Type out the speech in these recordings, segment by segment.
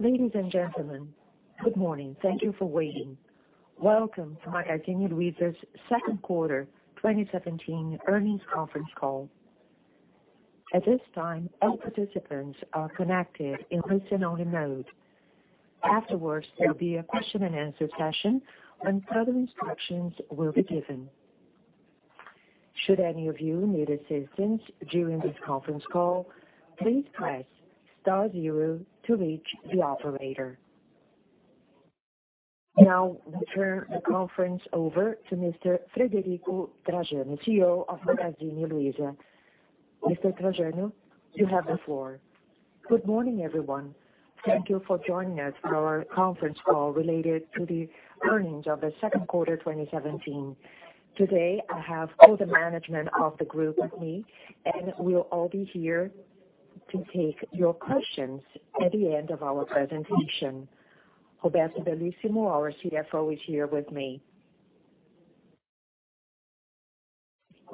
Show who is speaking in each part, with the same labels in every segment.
Speaker 1: Ladies and gentlemen, good morning. Thank you for waiting. Welcome to Magazine Luiza's second quarter 2017 earnings conference call. At this time, all participants are connected in listen-only mode. Afterwards, there will be a question-and-answer session, when further instructions will be given. Should any of you need assistance during this conference call, please press star zero to reach the operator. Now I turn the conference over to Mr. Frederico Trajano, CEO of Magazine Luiza. Mr. Trajano, you have the floor.
Speaker 2: Good morning, everyone. Thank you for joining us for our conference call related to the earnings of the second quarter 2017. Today, I have all the management of the group with me, and we will all be here to take your questions at the end of our presentation. Roberto Bellissimo, our CFO, is here with me.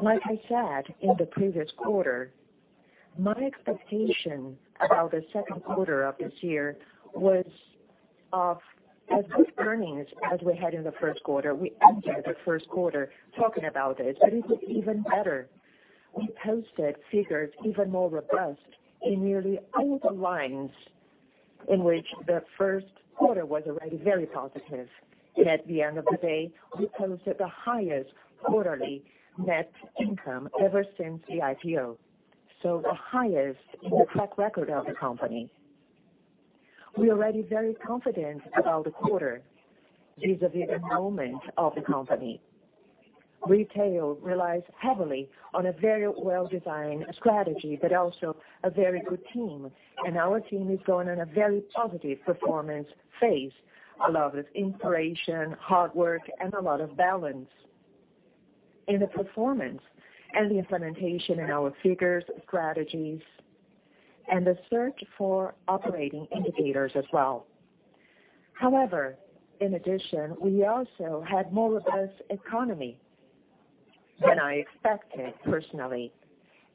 Speaker 2: Like I said in the previous quarter, my expectation about the second quarter of this year was of as good earnings as we had in the first quarter. We ended the first quarter talking about it, but it did even better. We posted figures even more robust in nearly all the lines in which the first quarter was already very positive. At the end of the day, we posted the highest quarterly net income ever since the IPO. The highest in the track record of the company. We're already very confident about the quarter vis-à-vis the moment of the company. Retail relies heavily on a very well-designed strategy, but also a very good team, and our team is going on a very positive performance phase. A lot of inspiration, hard work, and a lot of balance in the performance and the implementation in our figures, strategies, and the search for operating indicators as well. However, in addition, we also had more robust economy than I expected personally,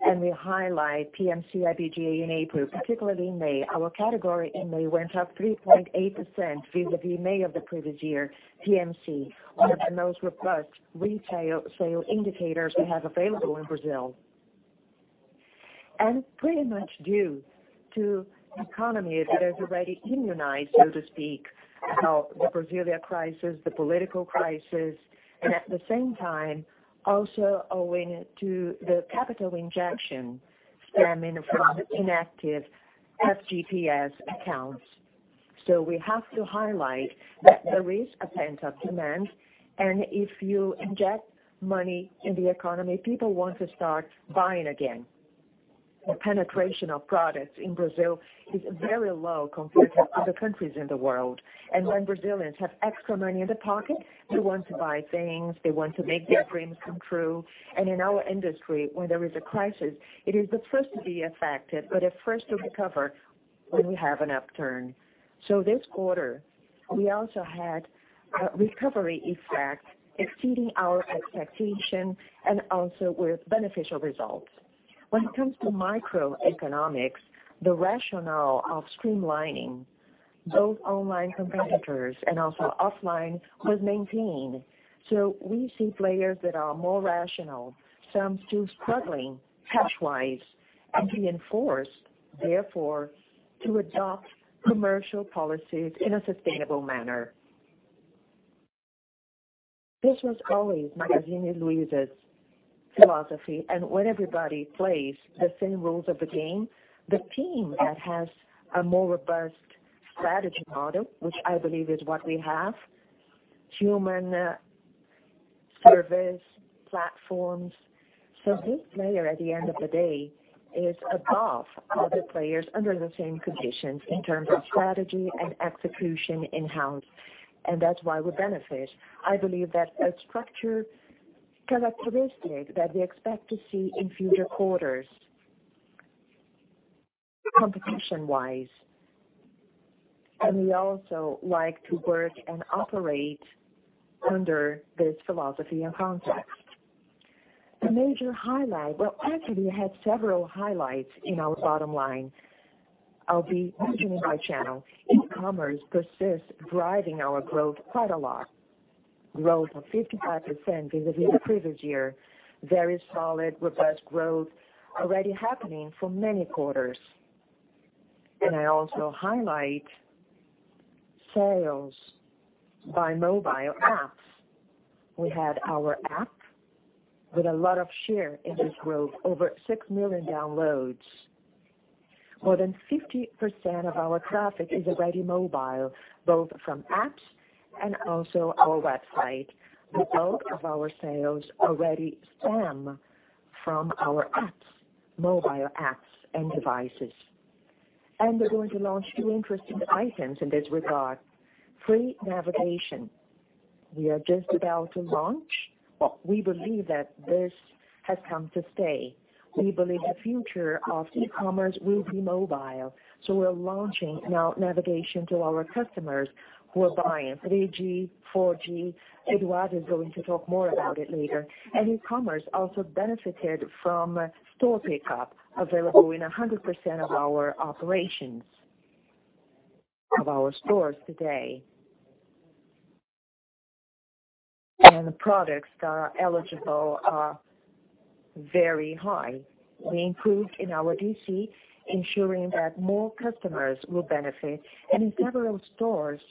Speaker 2: and we highlight PMC, IBGE, and APU, particularly in May. Our category in May went up 3.8% vis-à-vis May of the previous year. PMC, one of the most robust retail sale indicators we have available in Brazil. Pretty much due to the economy that has already immunized, so to speak, about the Brazilian crisis, the political crisis, and at the same time, also owing it to the capital injection stemming from inactive FGTS accounts. We have to highlight that there is a pent-up demand, and if you inject money in the economy, people want to start buying again. The penetration of products in Brazil is very low compared to other countries in the world. When Brazilians have extra money in the pocket, they want to buy things, they want to make their dreams come true. In our industry, when there is a crisis, it is the first to be affected, but the first to recover when we have an upturn. This quarter, we also had a recovery effect exceeding our expectation and also with beneficial results. When it comes to microeconomics, the rationale of streamlining both online competitors and also offline was maintained. We see players that are more rational, some still struggling cash-wise, and being forced, therefore, to adopt commercial policies in a sustainable manner. This was always Magazine Luiza's philosophy. When everybody plays the same rules of the game, the team that has a more robust strategy model, which I believe is what we have, human service platforms. This player, at the end of the day, is above other players under the same conditions in terms of strategy and execution in hand. That's why we benefit. I believe that's a structure characteristic that we expect to see in future quarters, competition-wise. We also like to work and operate under this philosophy and context. The major highlight. Actually, we had several highlights in our bottom line. I'll be mentioning my channel. E-commerce persists driving our growth quite a lot. Growth of 55% vis-à-vis the previous year. Very solid, robust growth already happening for many quarters. I also highlight sales by mobile apps. We had our app with a lot of share in this growth, over 6 million downloads. More than 50% of our traffic is already mobile, both from apps and also our website, with both of our sales already stem from our apps, mobile apps, and devices. We're going to launch two interesting items in this regard. Free navigation. We are just about to launch. We believe that this has come to stay. We believe the future of e-commerce will be mobile. We're launching now navigation to our customers who are buying 3G, 4G. Eduardo is going to talk more about it later. E-commerce also benefited from store pickup available in 100% of our operations of our stores today. The products that are eligible are very high. We improved in our DC, ensuring that more customers will benefit. In several stores,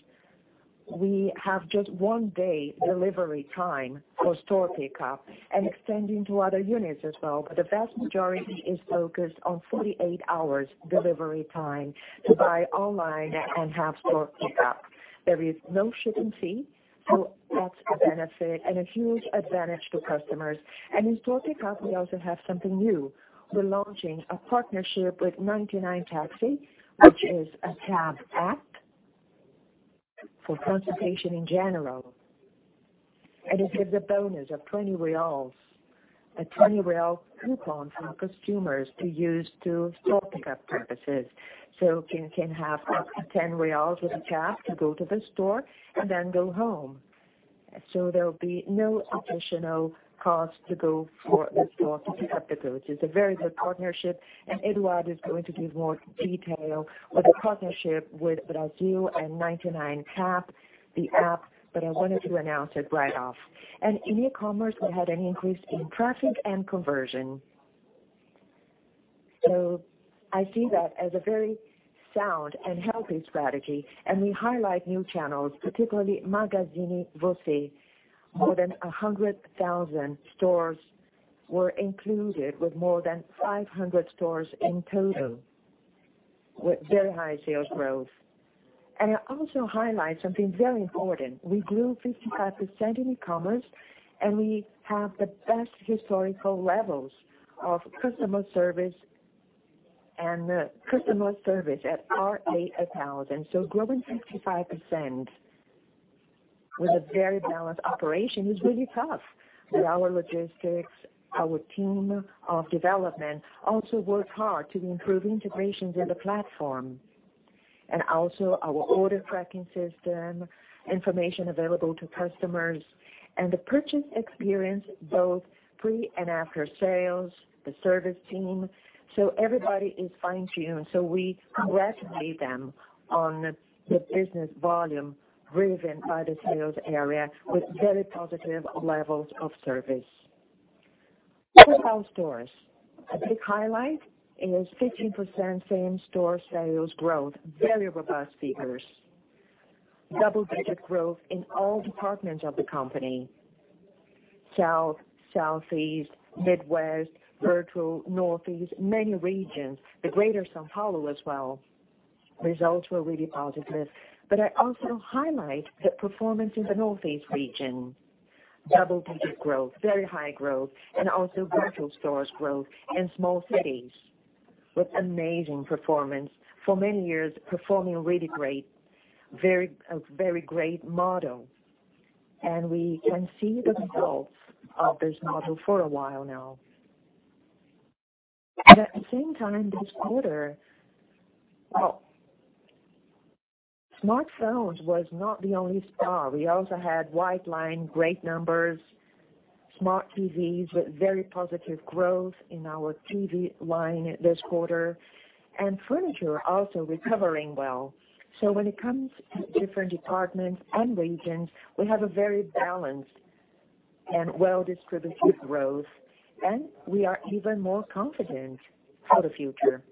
Speaker 2: we have just one-day delivery time for store pickup and extending to other units as well. The vast majority is focused on 48 hours delivery time to buy online and have store pickup. There is no shipping fee. That's a benefit and a huge advantage to customers. In store pickup, we also have something new. We're launching a partnership with 99 Táxi, which is a cab app for transportation in general. It gives a bonus of 20 reais coupon for customers to use to store pickup purposes. You can have up to 10 reais with a cab to go to the store and then go home. There will be no additional cost to go for the store pickup, which is a very good partnership. Eduardo is going to give more detail on the partnership with Brazil and 99 App, the app. I wanted to announce it right off. In e-commerce, we had an increase in traffic and conversion. I see that as a very sound and healthy strategy. We highlight new channels, particularly Magazine Você. More than 100,000 stores were included with more than 500 stores in total, with very high sales growth. I also highlight something very important. We grew 55% in e-commerce, and we have the best historical levels of customer service at RA1000. Growing 55% with a very balanced operation is really tough. With our logistics, our team of development also works hard to improve integrations in the platform, and also our order tracking system, information available to customers, and the purchase experience both pre and after sales, the service team. Everybody is fine-tuned. We congratulate them on the business volume driven by the sales area with very positive levels of service. Physical stores. A big highlight is 15% same store sales growth, very robust figures. Double-digit growth in all departments of the company. South, Southeast, Midwest, Virtual, Northeast, many regions, the greater São Paulo as well. Results were really positive. I also highlight the performance in the Northeast region. Double-digit growth, very high growth, and also virtual stores growth in small cities with amazing performance. For many years, performing really great, a very great model. We can see the results of this model for a while now. At the same time this quarter, smartphones was not the only star. We also had white line, great numbers, smart TVs with very positive growth in our TV line this quarter, and furniture also recovering well. When it comes to different departments and regions, we have a very balanced and well-distributed growth, and we are even more confident for the future.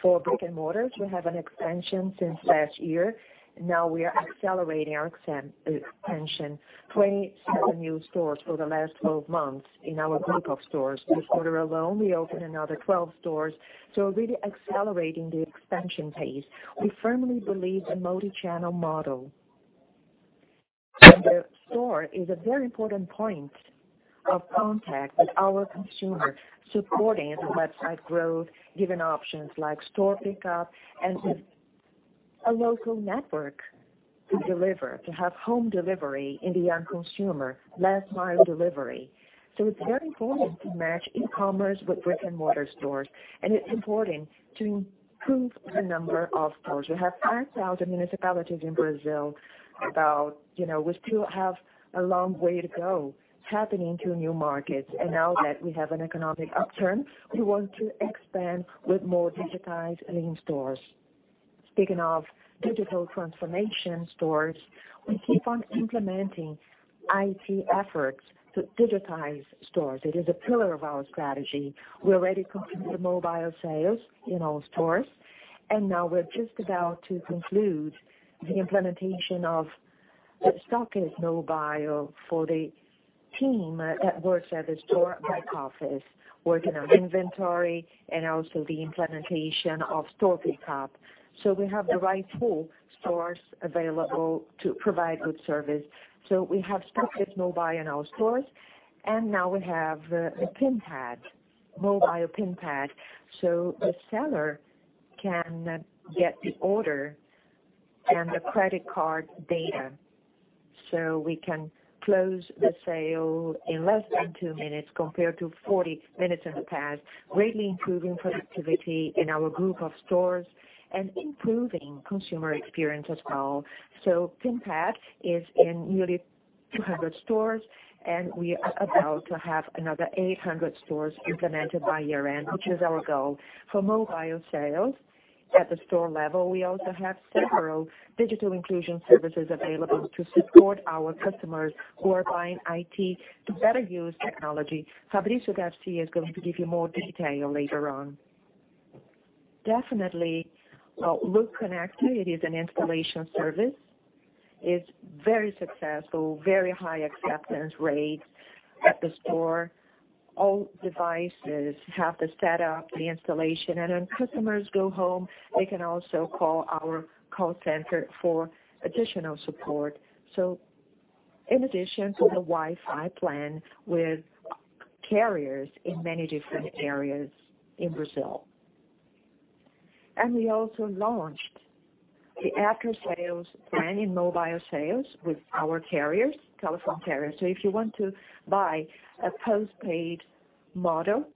Speaker 2: For brick and mortars, we have an expansion since last year. Now we are accelerating our expansion, 27 new stores for the last 12 months in our group of stores. This quarter alone, we opened another 12 stores, really accelerating the expansion pace. We firmly believe the multi-channel model. The store is a very important point of contact with our consumer, supporting the website growth, giving options like store pickup and a local network to deliver, to have home delivery in the end consumer, last mile delivery. It's very important to match e-commerce with brick and mortar stores. It's important to improve the number of stores. We have 5,000 municipalities in Brazil. We still have a long way to go tapping into new markets. Now that we have an economic upturn, we want to expand with more digitized lean stores. Speaking of digital transformation stores, we keep on implementing IT efforts to digitize stores. It is a pillar of our strategy. We already completed the mobile sales in all stores. Now we're just about to conclude the implementation of the stock is mobile for the team that works at the store back office, working on inventory, and also the implementation of store pickup. We have the right tool stores available to provide good service. We have stock is mobile in our stores. Now we have a mobile PinPad. The seller can get the order and the credit card data. We can close the sale in less than two minutes compared to 40 minutes in the past, greatly improving productivity in our group of stores and improving consumer experience as well. PinPad is in nearly 200 stores. We are about to have another 800 stores implemented by year-end, which is our goal. For mobile sales at the store level, we also have several digital inclusion services available to support our customers who are buying IT to better use technology. Fabrício Garcia is going to give you more detail later on. Definitely, LuConecta. It is an installation service. It's very successful, very high acceptance rates at the store. All devices have the setup, the installation, and when customers go home, they can also call our call center for additional support. In addition to the Wi-Fi plan with carriers in many different areas in Brazil. We also launched the after-sales plan in mobile sales with our telephone carriers. If you want to buy a post-paid model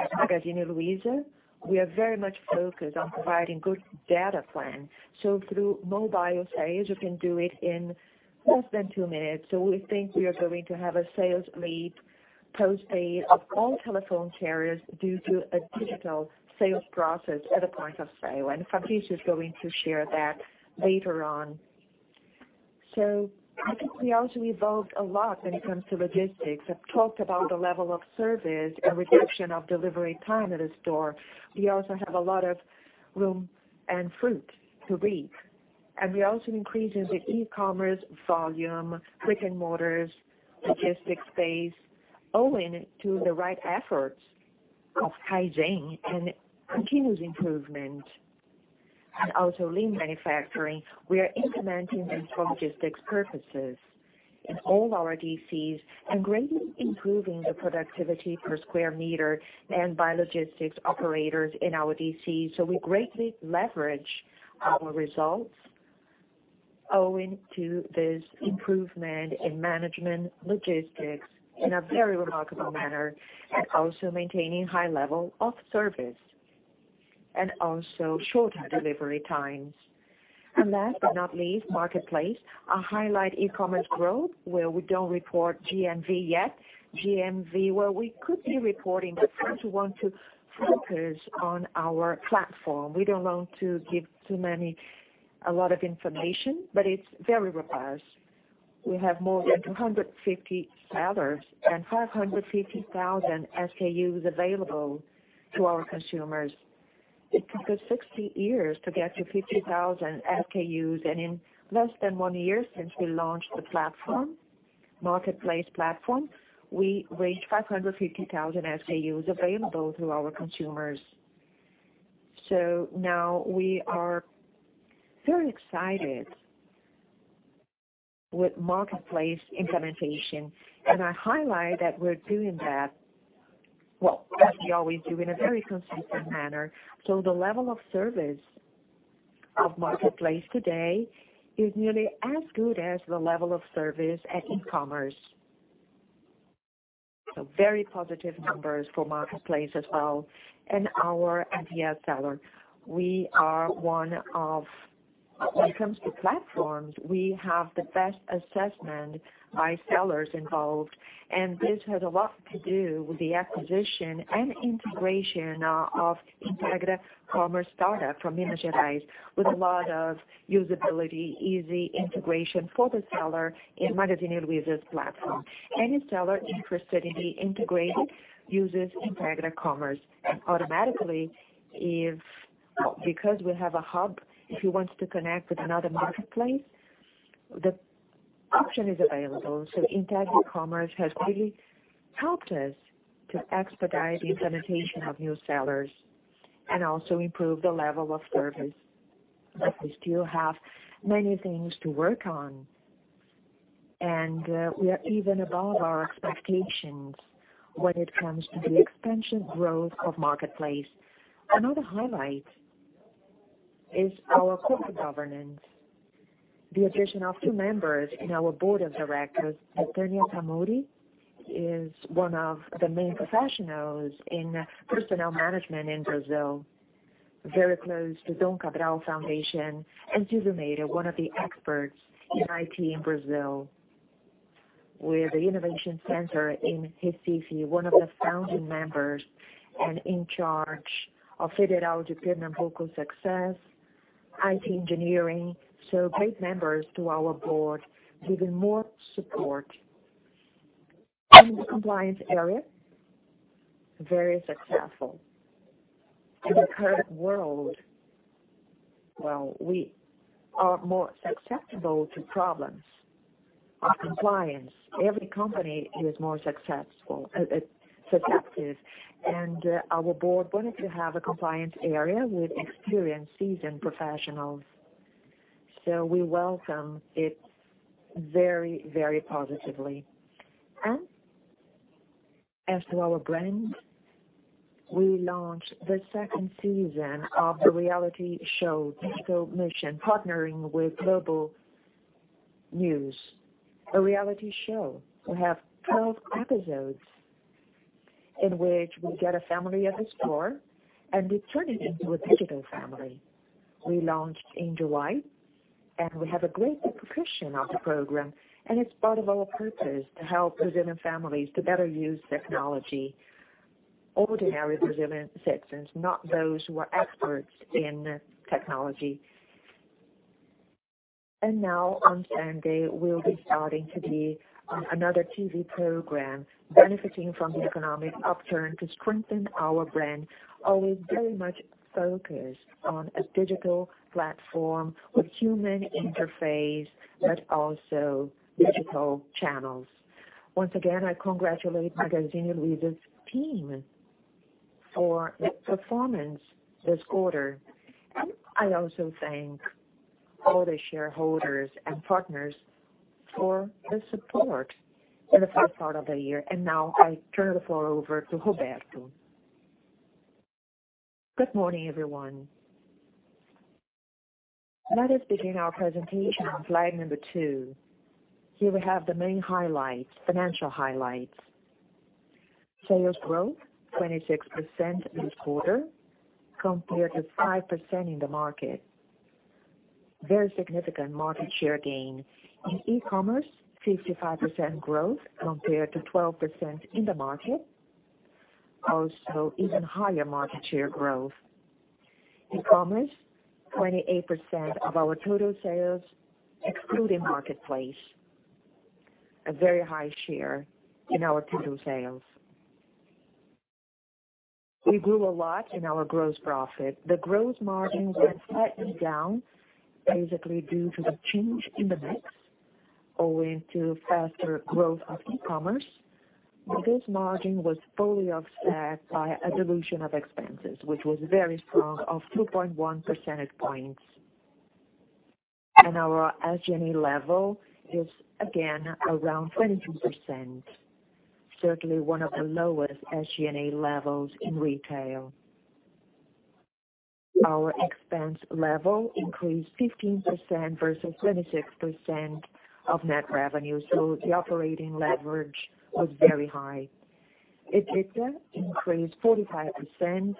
Speaker 2: at Magazine Luiza, we are very much focused on providing good data plans. Through mobile sales, you can do it in less than two minutes. We think we are going to have a sales leap, post-paid of all telephone carriers due to a digital sales process at a point of sale. Fabrício is going to share that later on. I think we also evolved a lot when it comes to logistics. I have talked about the level of service and reduction of delivery time at a store. We also have a lot of room and fruit to reap. We also increasing the e-commerce volume, brick-and-mortar logistics space, owing to the right efforts of kaizen and continuous improvement, and also lean manufacturing. We are implementing them for logistics purposes in all our DCs and greatly improving the productivity per square meter and by logistics operators in our DC. We greatly leverage our results owing to this improvement in management logistics in a very remarkable manner, and also maintaining high level of service and also shorter delivery times. Last but not least, Marketplace. I highlight e-commerce growth, where we don't report GMV yet. GMV, well, we could be reporting, but first we want to focus on our platform. We don't want to give a lot of information, but it's very robust. We have more than 250 sellers and 550,000 SKUs available to our consumers. It took us 60 years to get to 50,000 SKUs, and in less than one year since we launched the marketplace platform, we reached 550,000 SKUs available to our consumers. Now we are very excited with Marketplace implementation. I highlight that we're doing that, well, as we always do in a very consistent manner. The level of service of Marketplace today is nearly as good as the level of service at e-commerce. Very positive numbers for Marketplace as well. Our NPS seller. When it comes to platforms, we have the best assessment by sellers involved, and this has a lot to do with the acquisition and integration of Integra Commerce startup from Minas Gerais with a lot of usability, easy integration for the seller in Magazine Luiza's platform. Any seller interested in the integrated uses Integra Commerce automatically. We have a hub, if he wants to connect with another marketplace, the option is available. Integra Commerce has really helped us to expedite the implementation of new sellers and also improve the level of service. We still have many things to work on, and we are even above our expectations when it comes to the expansion growth of Marketplace. Another highlight is our corporate governance. The addition of two members in our board of directors. Betania Tanure is one of the main professionals in personnel management in Brazil, very close to Fundação Dom Cabral., Inês Corrêa de Souza one of the experts in IT in Brazil, with the innovation center in Ifes, one of the founding members and in charge of Federal Department vocal success, IT engineering. Great members to our board, giving more support. In the compliance area, very successful. In the current world, we are more susceptible to problems of compliance. Every company is more susceptible. Our board wanted to have a compliance area with experienced, seasoned professionals. We welcome it very positively. As to our brand, we launched the second season of the reality show, Missão Digital, partnering with Globo News. A reality show will have 12 episodes in which we get a family at the store, we turn it into a digital family. We launched in July, we have a great reception of the program, it's part of our purpose to help Brazilian families to better use technology. Ordinary Brazilian citizens, not those who are experts in technology. Now on Sunday, we'll be starting another TV program benefiting from the economic upturn to strengthen our brand, always very much focused on a digital platform with human interface, but also digital channels. Once again, I congratulate Magazine Luiza's team for their performance this quarter. I also thank all the shareholders and partners for the support in the first part of the year. Now I turn the floor over to Roberto.
Speaker 3: Good morning, everyone. Let us begin our presentation on slide number two. Here we have the main highlights, financial highlights. Sales growth 26% this quarter compared to 5% in the market. Very significant market share gain. In e-commerce, 55% growth compared to 12% in the market. Also, even higher market share growth. E-commerce, 28% of our total sales, excluding marketplace. A very high share in our total sales. We grew a lot in our gross profit. The gross margin was slightly down, basically due to the change in the mix owing to faster growth of e-commerce. The gross margin was fully offset by a dilution of expenses, which was very strong of 2.1 percentage points. Our SG&A level is again around 14%, certainly one of the lowest SG&A levels in retail. Our expense level increased 15% versus 26% of net revenue, so the operating leverage was very high. EBITDA increased 45%.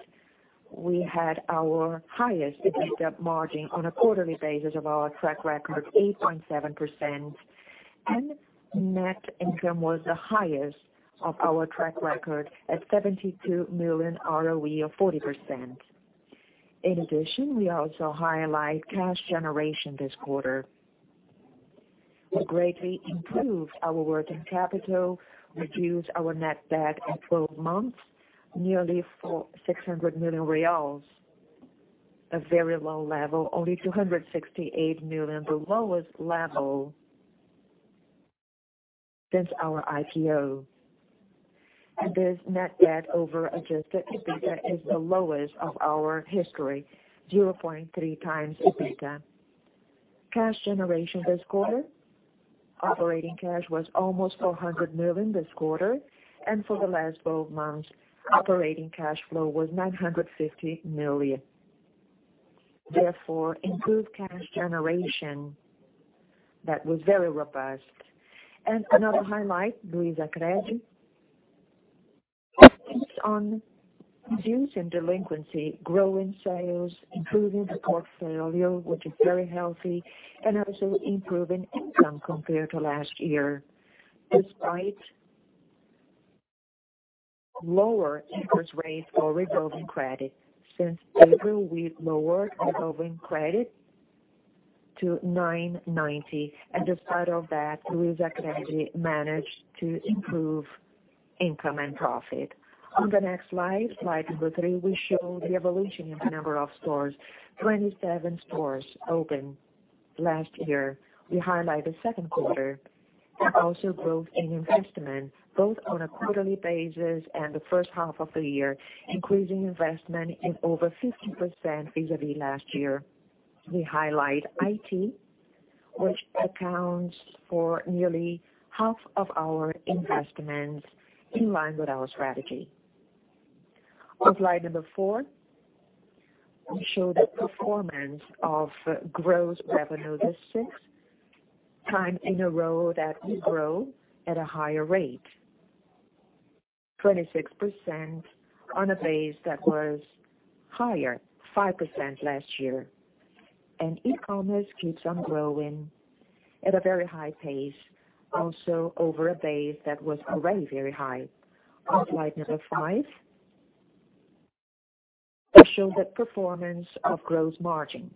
Speaker 3: We had our highest EBITDA margin on a quarterly basis of our track record, 8.7%. Net income was the highest of our track record at 72 million ROE of 40%. In addition, we also highlight cash generation this quarter. We greatly improved our working capital, reduced our net debt at 12 months, nearly 600 million reais. A very low level, only 268 million, the lowest level since our IPO. This net debt over adjusted EBITDA is the lowest of our history, 0.3 times EBITDA. Cash generation this quarter. Operating cash was almost 400 million this quarter, and for the last 12 months, operating cash flow was 950 million. Therefore, improved cash generation that was very robust. Another highlight, Luizacred. Focused on reducing delinquency, growing sales, improving the portfolio, which is very healthy and also improving income compared to last year. Despite lower interest rates for revolving credit. Since April, we've lowered revolving credit to 990. Despite of that, Luizacred managed to improve income and profit. On the next slide number three, we show the evolution in the number of stores. 27 stores opened last year. We highlight the second quarter and also growth in investment, both on a quarterly basis and the first half of the year, increasing investment in over 50% vis-à-vis last year. We highlight IT, which accounts for nearly half of our investments in line with our strategy. On slide number 4, we show the performance of gross revenue. The sixth time in a row that we grow at a higher rate. 26% on a base that was higher, 5% last year. E-commerce keeps on growing at a very high pace, also over a base that was already very high. On slide number five, we show the performance of gross margin.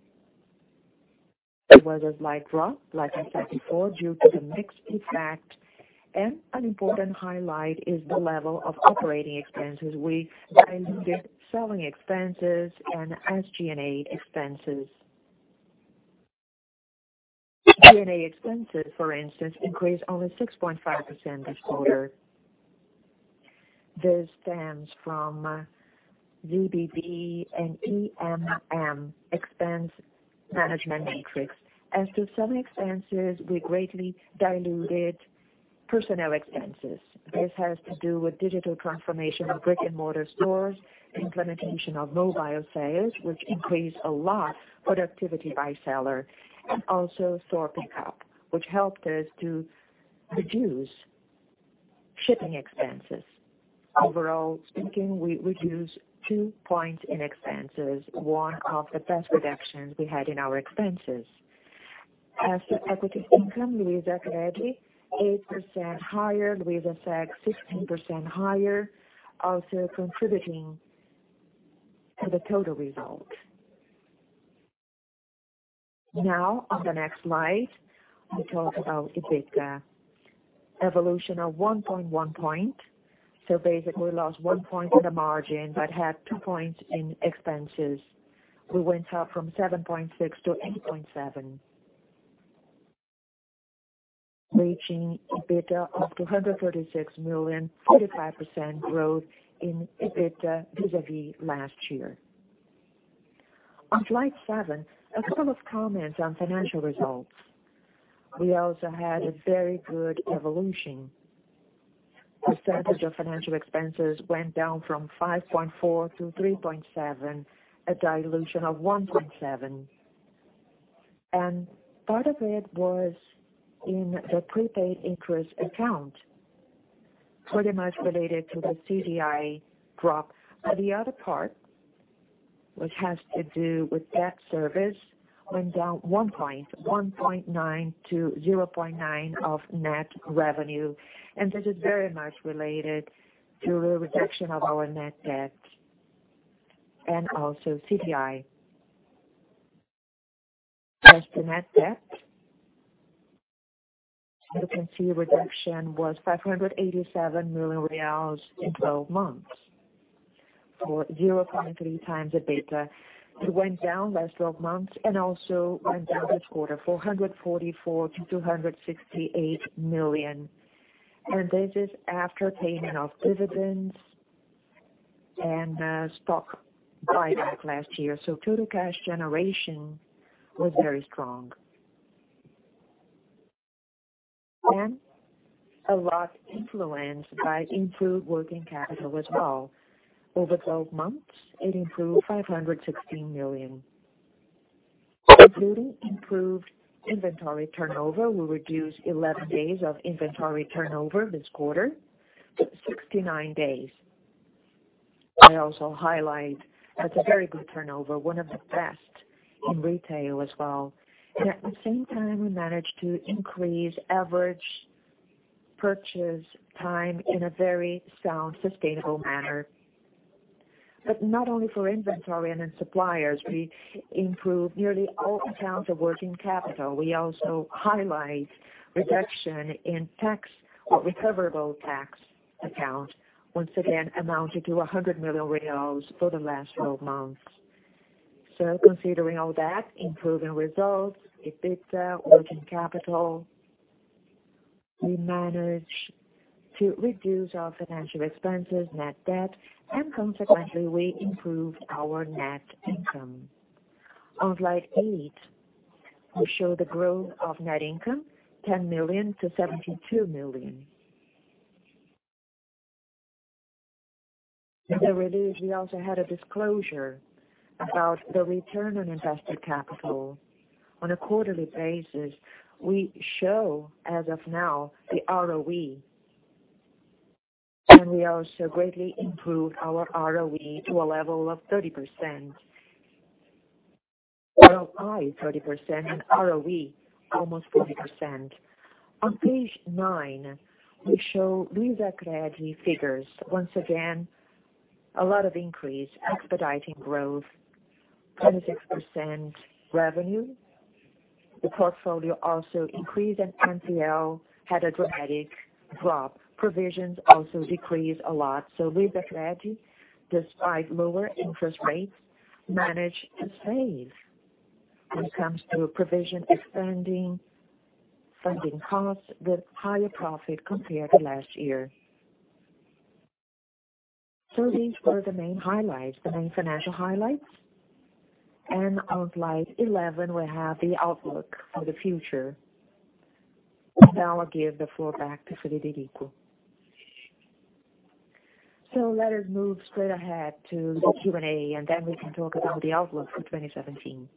Speaker 3: There was a slight drop, like I said before, due to the mix effect. An important highlight is the level of operating expenses. We diluted selling expenses and SG&A expenses. SG&A expenses, for instance, increased only 6.5% this quarter. This stems from [V&B] and EMM, Expense Management Matrix. As to some expenses, we greatly diluted personnel expenses. This has to do with digital transformation of brick-and-mortar stores, implementation of mobile sales, which increased, a lot, productivity by seller, and also store pickup, which helped us to reduce shipping expenses. Overall, speaking, we reduced two points in expenses, one of the best reductions we had in our expenses. As to equity income, Luizacred, 8% higher. Luizaseg, 16% higher. Also contributing to the total result. On the next slide, we talk about EBITDA. Evolution of 1.1 point. Basically, we lost one point in the margin but had two points in expenses. We went up from 7.6 to 8.7, reaching EBITDA of 236 million, 45% growth in EBITDA vis-à-vis last year. On slide seven are some comments on financial results. We also had a very good evolution. Percentage of financial expenses went down from 5.4 to 3.7, a dilution of 1.7, and part of it was in the prepaid interest account, pretty much related to the CDI drop. The other part, which has to do with debt service, went down one point, 1.9 to 0.9 of net revenue. This is very much related to the reduction of our net debt and also CDI. As to net debt, you can see reduction was 587 million reais in 12 months, or 0.3x EBITDA. It went down last 12 months and also went down this quarter, 444 million to 268 million. This is after payment of dividends and stock buyback last year. Total cash generation was very strong. A lot influenced by improved working capital as well. Over 12 months, it improved 516 million, including improved inventory turnover. We reduced 11 days of inventory turnover this quarter to 69 days. I also highlight that's a very good turnover, one of the best in retail as well. At the same time, we managed to increase average purchase time in a very sound, sustainable manner. Not only for inventory and in suppliers, we improved nearly all accounts of working capital. We also highlight reduction in tax or recoverable tax account, once again, amounted to 100 million reais for the last 12 months. Considering all that, improving results, EBITDA, working capital, we managed to reduce our financial expenses, net debt, and consequently, we improved our net income. On slide eight, we show the growth of net income, 10 million to 72 million. In the release, we also had a disclosure about the return on invested capital. On a quarterly basis, we show, as of now, the ROE. And we also greatly improved our ROE to a level of 30%. ROI 30% and ROE almost 40%. On page nine, we show Luizacred figures. Once again, a lot of increase, expediting growth, 26% revenue. The portfolio also increased, and NPL had a dramatic drop. Provisions also decreased a lot. Luizacred, despite lower interest rates, managed to save when it comes to provision expending, funding costs, with higher profit compared to last year. These were the main financial highlights. On slide 11, we have the outlook for the future. Now I give the floor back to Frederico.
Speaker 2: Let us move straight ahead to the Q&A, and then we can talk about the outlook for 2017.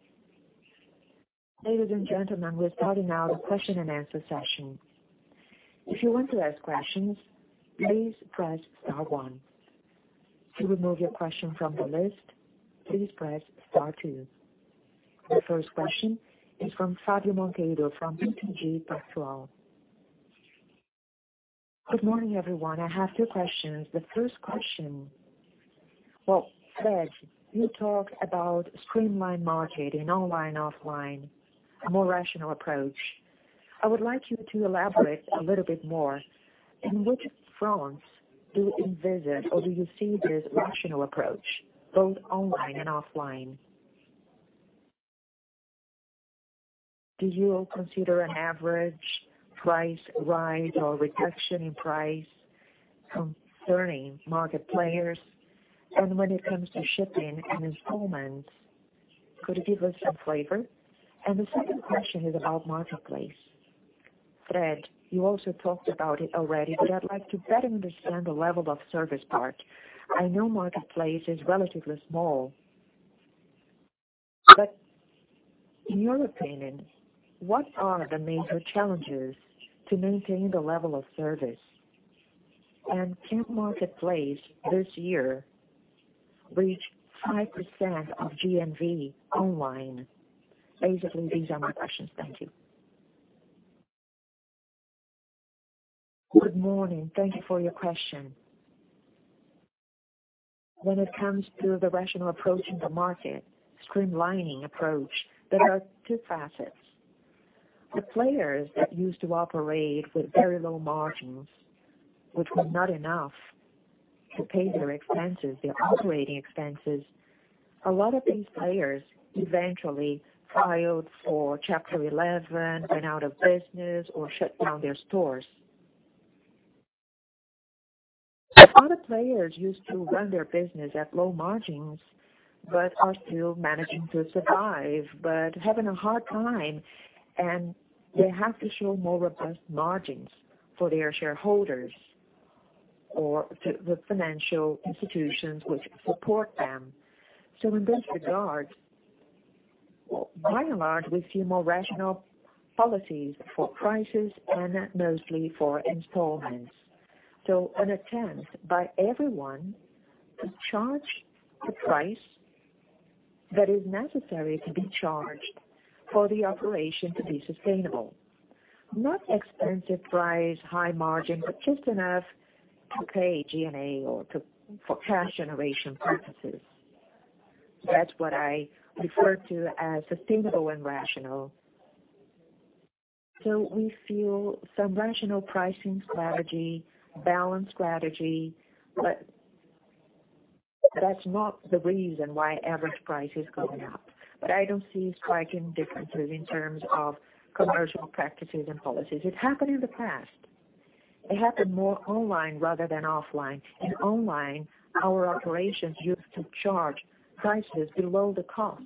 Speaker 1: Ladies and gentlemen, we're starting now the question-and-answer session. If you want to ask questions, please press star 1. To remove your question from the list, please press star 2. The first question is from Fabio Monteiro from BTG Pactual.
Speaker 4: Good morning, everyone. I have two questions. The first question. Fred, you talk about streamlined marketing, online, offline, a more rational approach. I would like you to elaborate a little bit more. In which fronts do you envisage or do you see this rational approach, both online and offline? Do you consider an average price rise or reduction in price concerning market players? When it comes to shipping and installments, could you give us some flavor? The second question is about marketplace. Fred, you also talked about it already, but I'd like to better understand the level of service part. I know marketplace is relatively small. But in your opinion, what are the major challenges to maintain the level of service? Can marketplace this year reach 5% of GMV online? Basically, these are my questions. Thank you.
Speaker 2: Good morning. Thank you for your question. When it comes to the rational approach in the market, streamlining approach, there are two facets. The players that used to operate with very low margins, which were not enough to pay their expenses, their operating expenses. A lot of these players eventually filed for Chapter 11, went out of business, or shut down their stores. Other players used to run their business at low margins, but are still managing to survive, but having a hard time, and they have to show more robust margins for their shareholders or the financial institutions which support them. In this regard, by and large, we see more rational policies for prices and mostly for installments. An attempt by everyone to charge the price that is necessary to be charged for the operation to be sustainable. Not expensive price, high margin, but just enough to pay G&A or for cash generation purposes. That's what I refer to as sustainable and rational. We feel some rational pricing strategy, balanced strategy, but that's not the reason why average price is going up. I don't see striking differences in terms of commercial practices and policies. It happened in the past. It happened more online rather than offline. In online, our operations used to charge prices below the cost.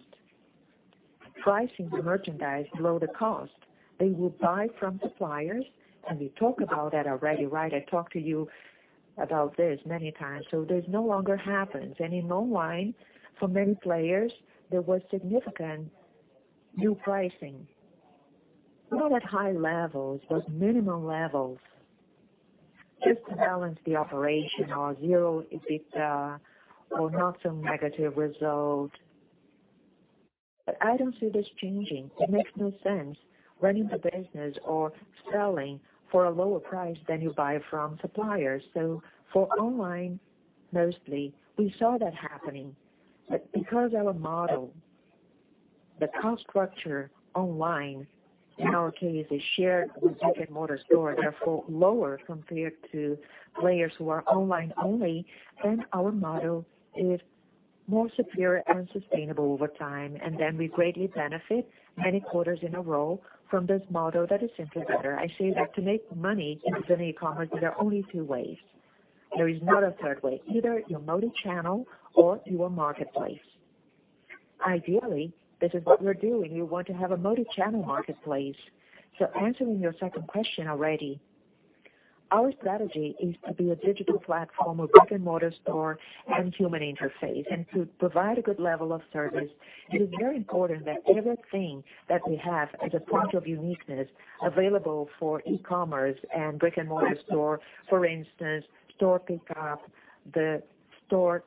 Speaker 2: Pricing the merchandise below the cost. They would buy from suppliers. We talk about that already, right? I talk to you about this many times. This no longer happens. In online, for many players, there was significant new pricing. Not at high levels, but minimum levels just to balance the operation or zero EBITDA or not so negative result. I don't see this changing. It makes no sense running the business or selling for a lower price than you buy from suppliers. For online, mostly, we saw that happening. Because of our model, the cost structure online, in our case, is shared with brick-and-mortar stores, therefore lower compared to players who are online only, then our model is more superior and sustainable over time. We greatly benefit many quarters in a row from this model that is simply better. I say that to make money in B2C e-commerce, there are only two ways. There is not a third way. Either you're multichannel or you are marketplace. Ideally, this is what we're doing. We want to have a multichannel marketplace. Answering your second question already, our strategy is to be a digital platform of brick-and-mortar store and human interface, and to provide a good level of service. It is very important that everything that we have as a point of uniqueness available for e-commerce and brick-and-mortar store. For instance, store pickup, the store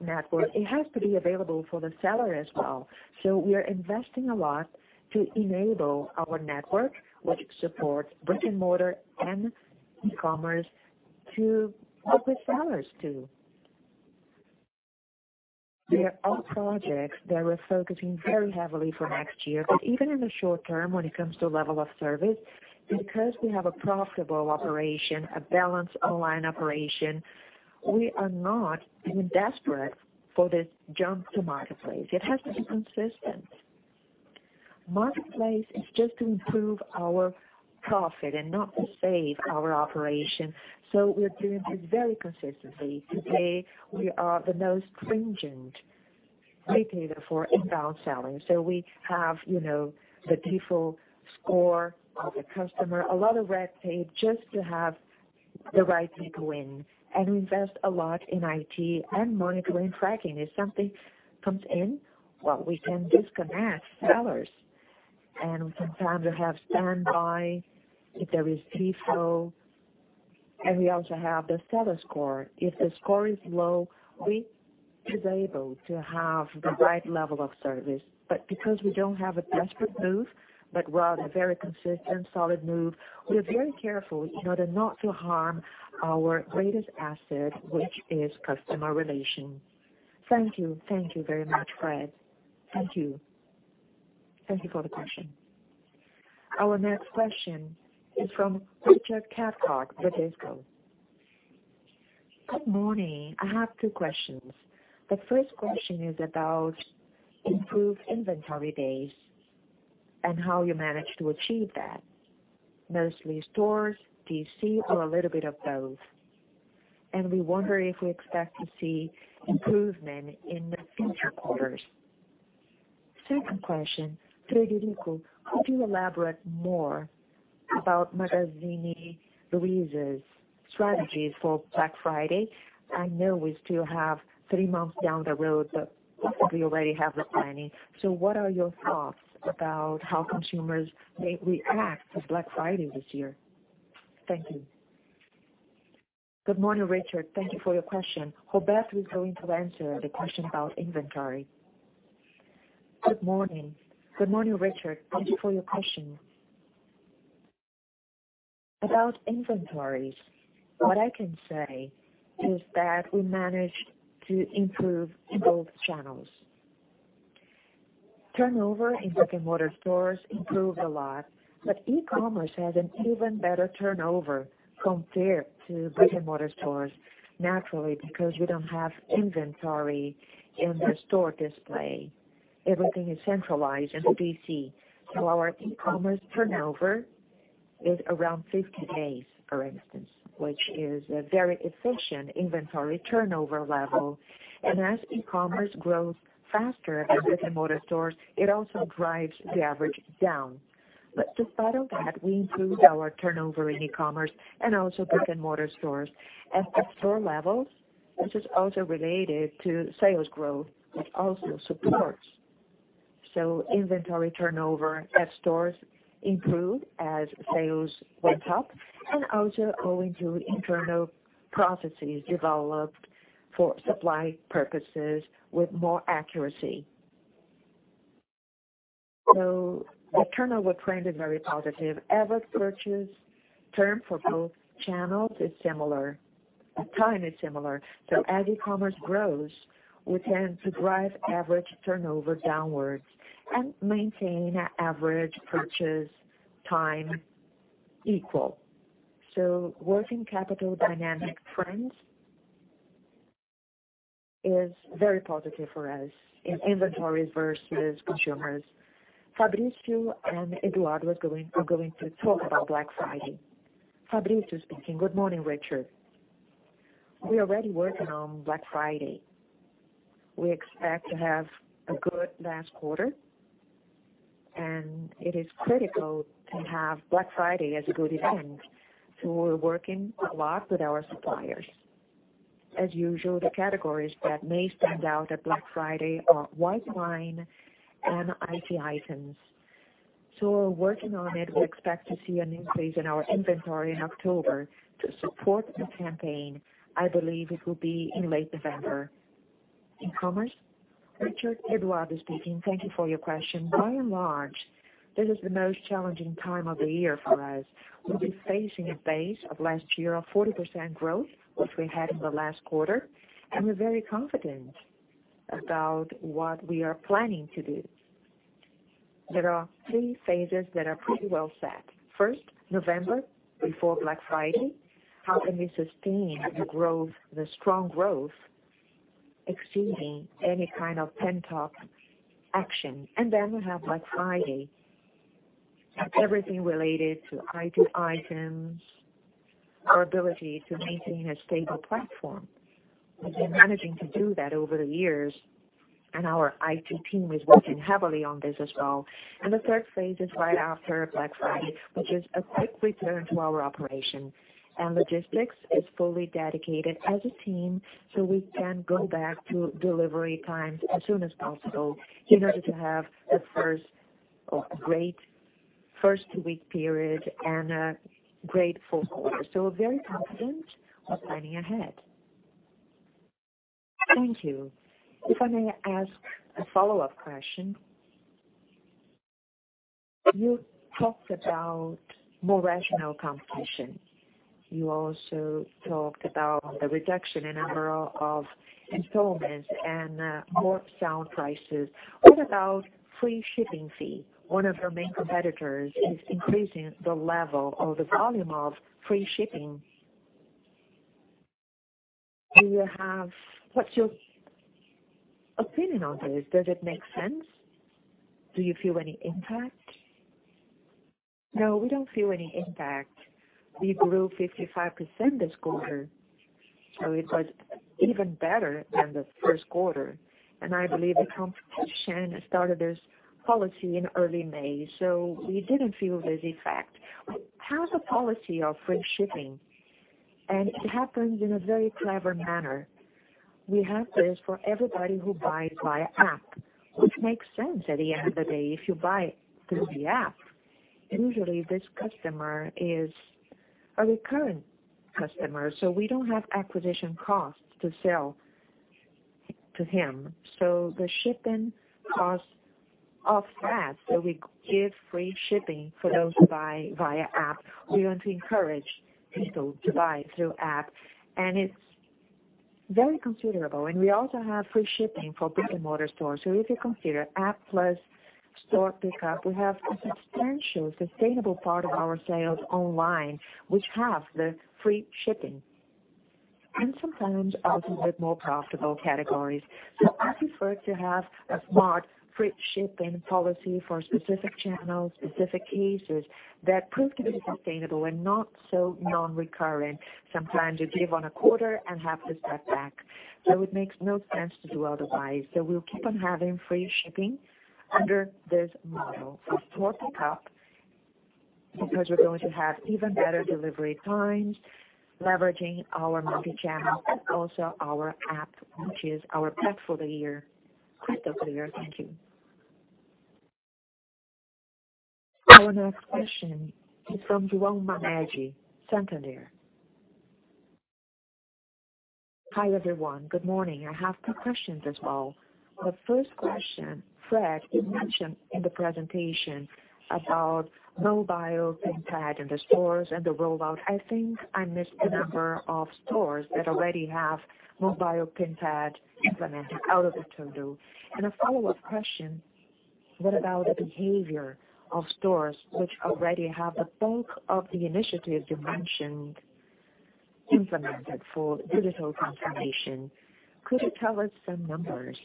Speaker 2: network. It has to be available for the seller as well. We are investing a lot to enable our network, which supports brick-and-mortar and e-commerce to help the sellers too. They are all projects that we're focusing very heavily for next year. Even in the short term, when it comes to level of service, because we have a profitable operation, a balanced online operation, we are not desperate for this jump to marketplace. It has to be consistent. Marketplace is just to improve our profit and not to save our operation. We're doing this very consistently. Today, we are the most stringent retailer for inbound selling. We have the default score of the customer. A lot of red tape just to have the right people in. We invest a lot in IT and monitoring, tracking. If something comes in, well, we can disconnect sellers. We sometimes have standby if there is default, and we also have the seller score. If the score is low, we disable to have the right level of service. Because we don't have a desperate move, but rather a very consistent, solid move, we are very careful in order not to harm our greatest asset, which is customer relations.
Speaker 4: Thank you. Thank you very much, Fred. Thank you.
Speaker 2: Thank you for the question.
Speaker 1: Our next question is from Richard Cathcart, Bradesco.
Speaker 5: Good morning. I have two questions. The first question is about improved inventory days and how you managed to achieve that. Mostly stores, DC, or a little bit of both. We wonder if we expect to see improvement in the future quarters. Second question. Frederico, could you elaborate more about Magazine Luiza's strategies for Black Friday? I know we still have three months down the road, but we already have the planning. What are your thoughts about how consumers may react to Black Friday this year? Thank you.
Speaker 2: Good morning, Richard. Thank you for your question. Roberto is going to answer the question about inventory.
Speaker 3: Good morning, Richard. Thank you for your question. About inventories, what I can say is that we managed to improve in both channels. Turnover in brick-and-mortar stores improved a lot, e-commerce has an even better turnover compared to brick-and-mortar stores. Naturally, because we don't have inventory in the store display. Everything is centralized in the DC. Our e-commerce turnover is around 50 days, for instance, which is a very efficient inventory turnover level. As e-commerce grows faster than brick-and-mortar stores, it also drives the average down. Despite of that, we improved our turnover in e-commerce and also brick-and-mortar stores. At the store levels, this is also related to sales growth, which also supports. Inventory turnover at stores improved as sales went up and also owing to internal processes developed for supply purposes with more accuracy. The turnover trend is very positive. Average purchase term for both channels is similar. The time is similar. As e-commerce grows, we tend to drive average turnover downwards and maintain an average purchase time equal. Working capital dynamic trends is very positive for us in inventories versus consumers. Fabrício and Eduardo are going to talk about Black Friday.
Speaker 6: Fabrício speaking. Good morning, Richard. We're already working on Black Friday. We expect to have a good last quarter, it is critical to have Black Friday as a good event. We're working a lot with our suppliers. As usual, the categories that may stand out at Black Friday are wine and IT items. We're working on it. We expect to see an increase in our inventory in October to support the campaign. I believe it will be in late November. E-commerce?
Speaker 7: Richard, Eduardo speaking. Thank you for your question. By and large, this is the most challenging time of the year for us. We'll be facing a base of last year of 40% growth, which we had in the last quarter, we're very confident about what we are planning to do. There are three phases that are pretty well set. First, November, before Black Friday. How can we sustain the strong growth exceeding any kind of pent-up action? Then we have Black Friday. Everything related to IT items, our ability to maintain a stable platform. We've been managing to do that over the years, our IT team is working heavily on this as well. The third phase is right after Black Friday, which is a quick return to our operation. Logistics is fully dedicated as a team, we can go back to delivery times as soon as possible in order to have a great first week period and a great full quarter. We're very confident of planning ahead.
Speaker 5: Thank you. If I may ask a follow-up question. You talked about more rational competition. You also talked about the reduction in number of installments and more sound prices. What about free shipping fee? One of your main competitors is increasing the level or the volume of free shipping. What's your opinion on this? Does it make sense? Do you feel any impact?
Speaker 2: No, we don't feel any impact. We grew 55% this quarter, it was even better than the first quarter. I believe the competition started this policy in early May, we didn't feel this effect. We have a policy of free shipping, and it happens in a very clever manner. We have this for everybody who buys via app, which makes sense at the end of the day. If you buy through the app, usually this customer is a recurrent customer, we don't have acquisition costs to sell to him. The shipping cost of that, we give free shipping for those who buy via app. We want to encourage people to buy through app, and it's very considerable. And we also have free shipping for brick-and mortar-stores. If you consider app plus store pickup, we have a substantial, sustainable part of our sales online, which have the free shipping. And sometimes also the more profitable categories. I prefer to have a smart free shipping policy for specific channels, specific cases that prove to be sustainable and not so non-recurring. Sometimes you give on a quarter and have to step back. It makes no sense to do otherwise. We'll keep on having free shipping under this model of store pickup, because we're going to have even better delivery times leveraging our multi-channel and also our app, which is our pet for the year.
Speaker 5: Thank you.
Speaker 1: Our next question is from [João Soares], Santander.
Speaker 8: Hi, everyone. Good morning. I have two questions as well. The first question, Fred, you mentioned in the presentation about mobile PinPad in the stores and the rollout. I think I missed the number of stores that already have mobile PinPad implemented out of the total. A follow-up question, what about the behavior of stores which already have the bulk of the initiatives you mentioned implemented for digital transformation? Could you tell us some numbers,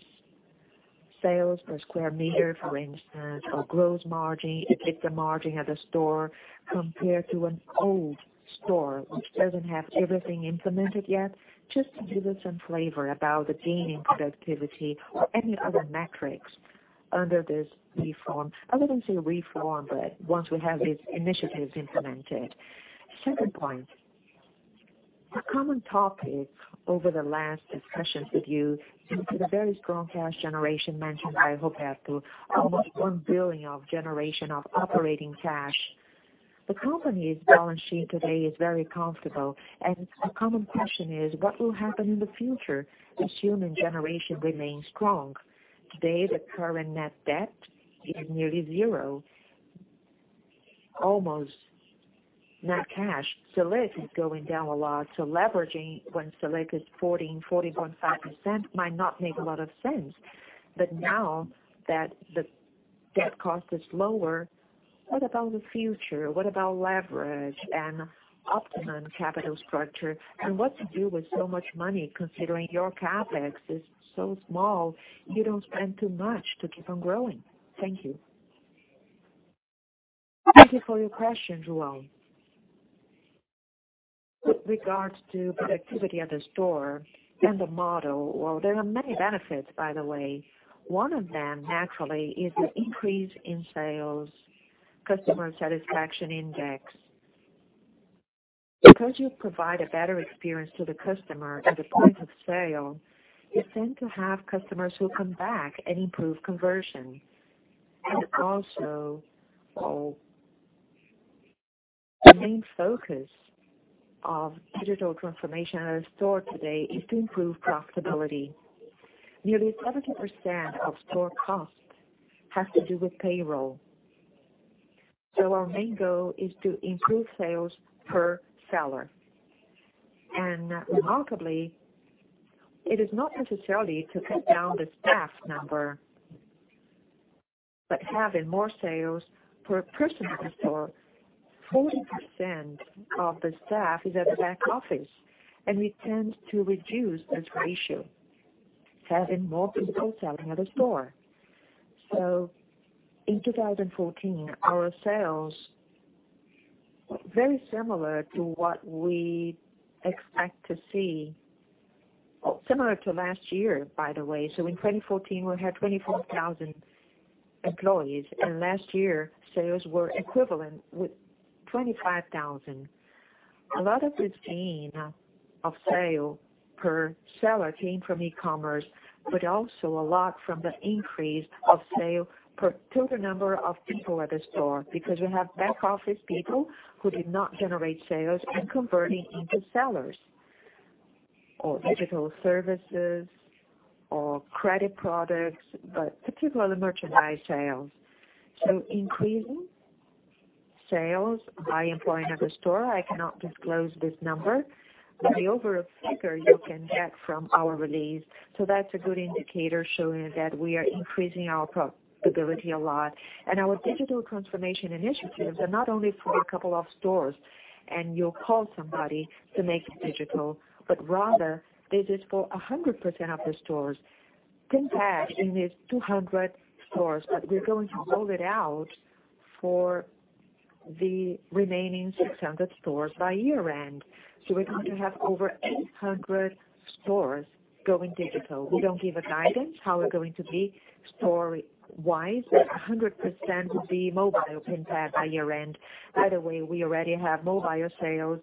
Speaker 8: sales per square meter, for instance, or gross margin, EBITDA margin at the store compared to an old store which doesn't have everything implemented yet, just to give us some flavor about the gain in productivity or any other metrics under this reform. I wouldn't say reform, but once we have these initiatives implemented. Second point, a common topic over the last discussions with you is the very strong cash generation mentioned by Roberto, almost 1 billion of generation of operating cash. The company's balance sheet today is very comfortable, and a common question is what will happen in the future, assuming generation remains strong. Today, the current net debt is nearly zero, almost net cash. Selic is going down a lot, leveraging when Selic is 14%-14.5% might not make a lot of sense. Now that the debt cost is lower, what about the future? What about leverage and optimum capital structure? What to do with so much money, considering your CapEx is so small, you don't spend too much to keep on growing. Thank you.
Speaker 2: Thank you for your question, João. With regards to productivity at the store and the model, well, there are many benefits, by the way. One of them, naturally, is the increase in sales, customer satisfaction index. You provide a better experience to the customer at the point of sale, you tend to have customers who come back and improve conversion. Also, the main focus of digital transformation at a store today is to improve profitability. Our main goal is to improve sales per seller. Remarkably, it is not necessarily to cut down the staff number, but having more sales per person at the store. 40% of the staff is at the back office, and we tend to reduce this ratio, having more people selling at a store. In 2014, our sales, very similar to last year, by the way. In 2014, we had 24,000 employees, and last year, sales were equivalent with 25,000. A lot of this gain of sale per seller came from e-commerce, but also a lot from the increase of sale per total number of people at the store, because we have back office people who did not generate sales and converting into sellers or digital services or credit products, but particularly merchandise sales. Increasing sales by employing at the store, I cannot disclose this number, but the overall figure you can get from our release. That's a good indicator showing that we are increasing our profitability a lot. Our digital transformation initiatives are not only for a couple of stores, and you call somebody to make it digital, but rather this is for 100% of the stores. PinPad in these 200 stores, but we're going to roll it out for the remaining 600 stores by year-end. We're going to have over 800 stores going digital. We don't give a guidance how it's going to be store-wise, but 100% will be mobile PinPad by year-end. By the way, we already have mobile sales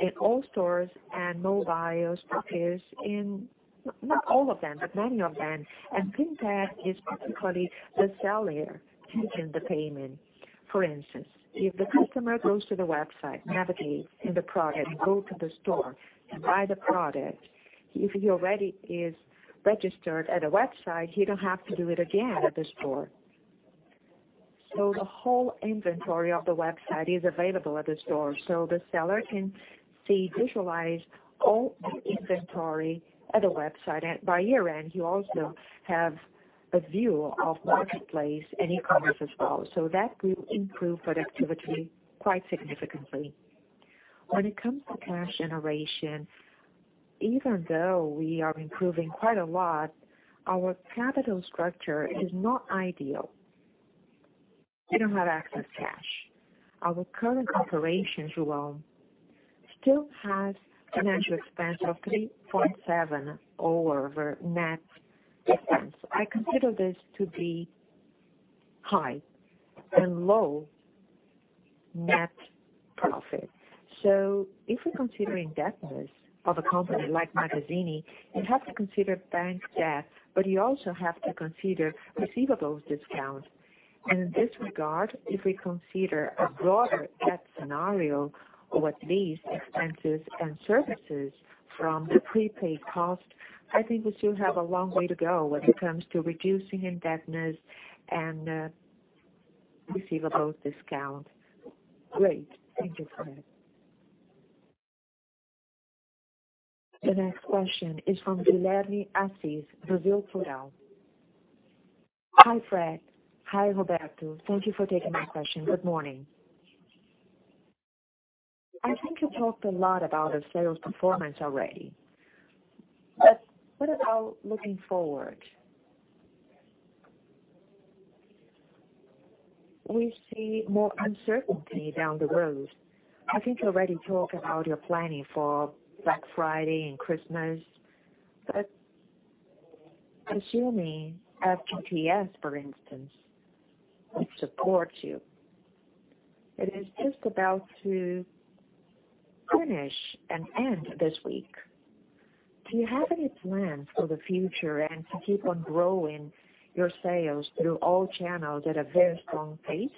Speaker 2: in all stores and mobile stores in not all of them, but many of them. PinPad is particularly the seller taking the payment. For instance, if the customer goes to the website, navigates in the product, and go to the store and buy the product, if he already is registered at a website, he don't have to do it again at the store. The whole inventory of the website is available at the store. The seller visualize all the inventory at the website. By year-end, you also have a view of marketplace and e-commerce as well. That will improve productivity quite significantly. When it comes to cash generation, even though we are improving quite a lot, our capital structure is not ideal. We don't have access to cash. Our current operations, João, still has financial expense of 3.7 over net expense. I consider this to be high and low net profit. If we're considering debtness of a company like Magazine, you have to consider bank debt, but you also have to consider receivables discount. In this regard, if we consider a broader debt scenario with these expenses and services from the prepaid cost, I think we still have a long way to go when it comes to reducing indebtedness and receivables discount.
Speaker 8: Great. Thank you, Fred.
Speaker 1: The next question is from Guilherme Assis, Brazil Plural.
Speaker 9: Hi, Fred. Hi, Roberto. Thank you for taking my question. Good morning. I think you talked a lot about the sales performance already, but what about looking forward? We see more uncertainty down the road. I think you already talked about your planning for Black Friday and Christmas, but assuming FGTS, for instance, which supports you, it is just about to finish and end this week. Do you have any plans for the future and to keep on growing your sales through all channels at a very strong pace?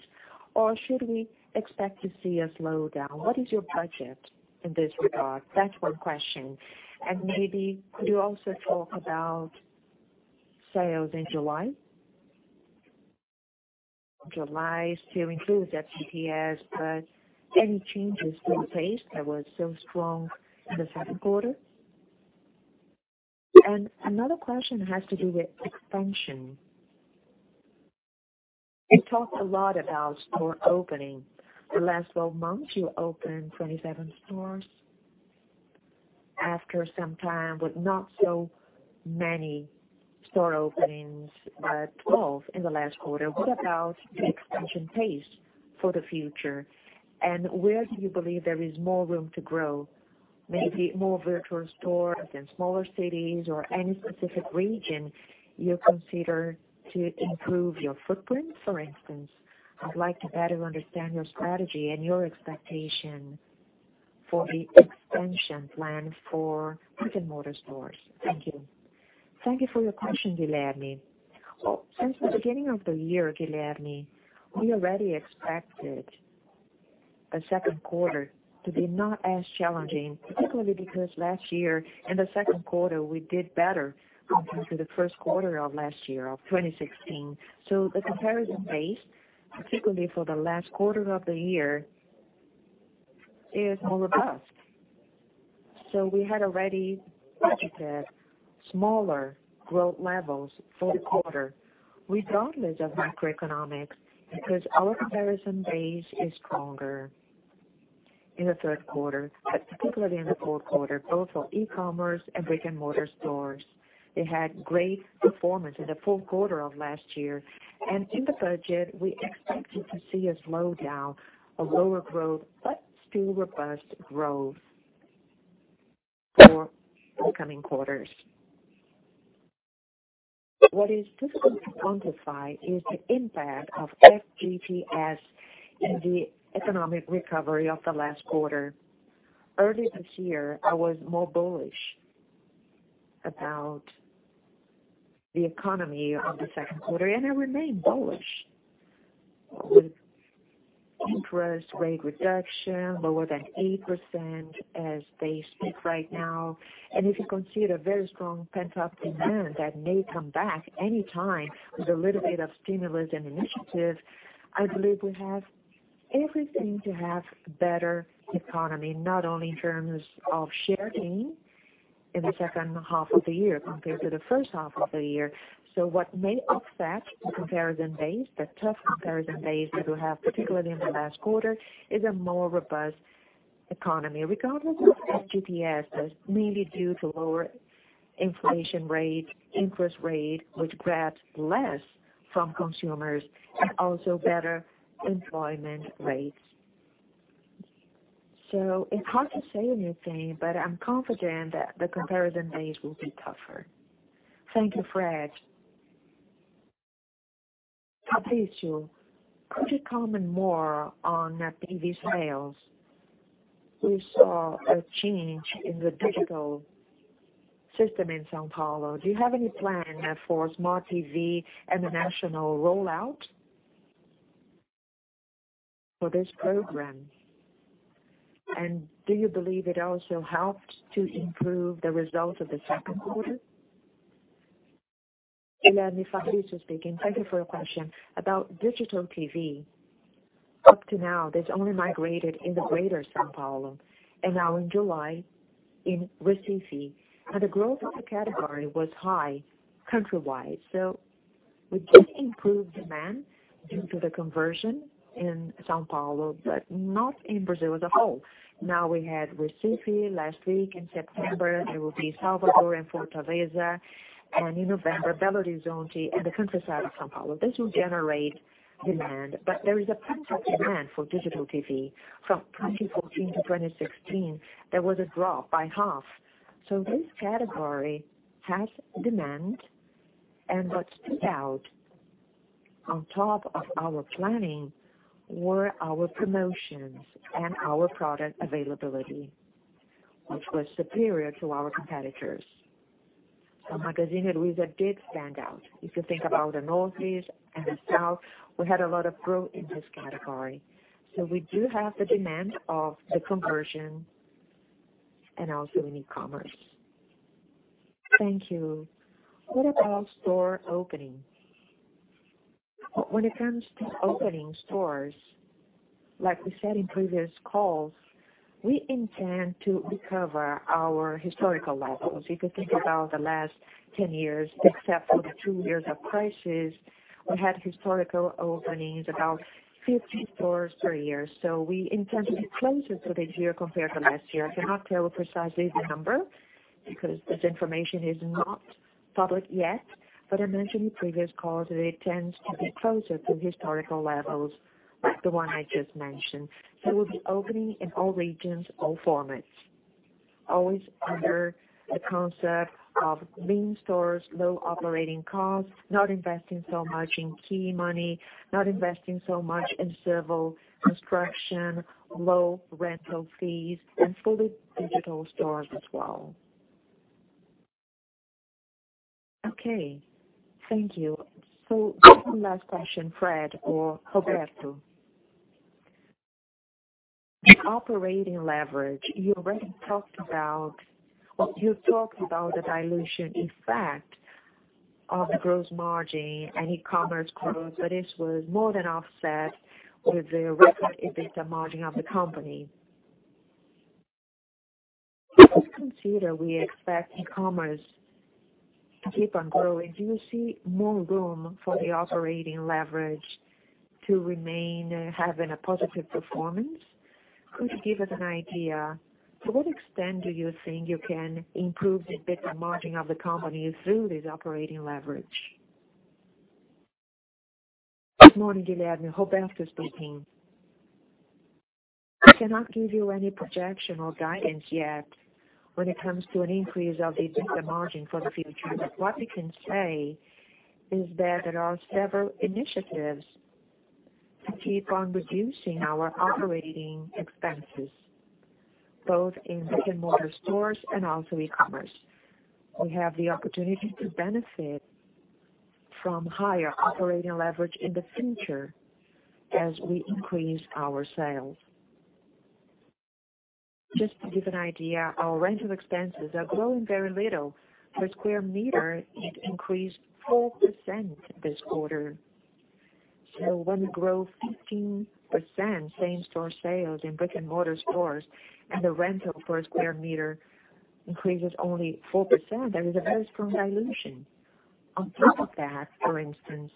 Speaker 9: Or should we expect to see a slowdown? What is your budget in this regard? That's one question. Maybe could you also talk about sales in July? July still includes FGTS, but any changes to the pace that was so strong in the second quarter? Another question has to do with expansion. You talked a lot about store opening. The last 12 months, you opened 27 stores. After some time with not so many store openings, but 12 in the last quarter. What about the expansion pace for the future? Where do you believe there is more room to grow? Maybe more virtual stores in smaller cities or any specific region you consider to improve your footprint, for instance. I'd like to better understand your strategy and your expectation for the expansion plan for brick-and-mortar stores. Thank you.
Speaker 2: Thank you for your question, Guilherme. Since the beginning of the year, Guilherme, we already expected the second quarter to be not as challenging, particularly because last year in the second quarter, we did better compared to the first quarter of last year, of 2016. So the comparison base, particularly for the last quarter of the year, is more robust. We had already budgeted smaller growth levels for the quarter, regardless of macroeconomics, because our comparison base is stronger in the third quarter, but particularly in the fourth quarter, both for e-commerce and brick-and-mortar stores. They had great performance in the fourth quarter of last year. In the budget, we expected to see a slowdown, a lower growth, but still robust growth for the coming quarters. What is difficult to quantify is the impact of FGTS in the economic recovery of the last quarter. Earlier this year, I was more bullish about the economy of the second quarter, and I remain bullish. With interest rate reduction lower than 8% as they speak right now. If you consider very strong pent-up demand that may come back any time with a little bit of stimulus and initiative, I believe we have everything to have better economy, not only in terms of share gain in the second half of the year compared to the first half of the year. So what may offset the comparison base, the tough comparison base that we have, particularly in the last quarter, is a more robust economy, regardless of FGTS. That's mainly due to lower inflation rate, interest rate, which grabs less from consumers, and also better employment rates. So it's hard to say anything, but I'm confident that the comparison base will be tougher.
Speaker 9: Thank you, Fred. Fabrício, could you comment more on TV sales? We saw a change in the digital system in São Paulo. Do you have any plan for smart TV and a national rollout? For this program. Do you believe it also helped to improve the results of the second quarter?
Speaker 10: Guilherme Fabris speaking. Thank you for your question. About digital TV, up to now, there's only migrated in the greater São Paulo, and in July, in Recife. The growth of the category was high country-wide. So we did improve demand due to the conversion in São Paulo, but not in Brazil as a whole. We had Recife last week. In September, there will be Salvador and Fortaleza. In November, Belo Horizonte and the countryside of São Paulo. This will generate demand. There is a pent-up demand for digital TV. From 2014 to 2016, there was a drop by half. This category has demand, and what stood out on top of our planning were our promotions and our product availability, which was superior to our competitors. Magazine Luiza did stand out. If you think about the Northeast and the South, we had a lot of growth in this category. We do have the demand of the conversion and also in e-commerce.
Speaker 9: Thank you. What about store opening?
Speaker 10: When it comes to opening stores, like we said in previous calls, we intend to recover our historical levels. If you think about the last 10 years, except for the two years of crisis, we had historical openings, about 50 stores per year. We intend to be closer to this year compared to last year. I cannot tell precisely the number because this information is not public yet. I mentioned in previous calls that it tends to be closer to historical levels like the one I just mentioned. We'll be opening in all regions, all formats, always under the concept of lean stores, low operating costs, not investing so much in key money, not investing so much in civil construction, low rental fees, and fully digital stores as well.
Speaker 9: Okay. Thank you. One last question, Fred or Roberto. The operating leverage, you talked about the dilution effect of the gross margin and e-commerce growth. This was more than offset with the record EBITDA margin of the company. If we consider we expect e-commerce to keep on growing, do you see more room for the operating leverage to remain having a positive performance? Could you give us an idea, to what extent do you think you can improve the EBITDA margin of the company through this operating leverage?
Speaker 3: Good morning, Guilherme. Roberto speaking. I cannot give you any projection or guidance yet when it comes to an increase of the EBITDA margin for the future. What we can say is that there are several initiatives to keep on reducing our operating expenses, both in brick-and-mortar stores and also e-commerce. We have the opportunity to benefit from higher operating leverage in the future as we increase our sales. Just to give an idea, our rental expenses are growing very little. Per square meter, it increased 4% this quarter. When we grow 15% same-store sales in brick-and-mortar stores and the rental per square meter increases only 4%, there is a very strong dilution. On top of that, for instance,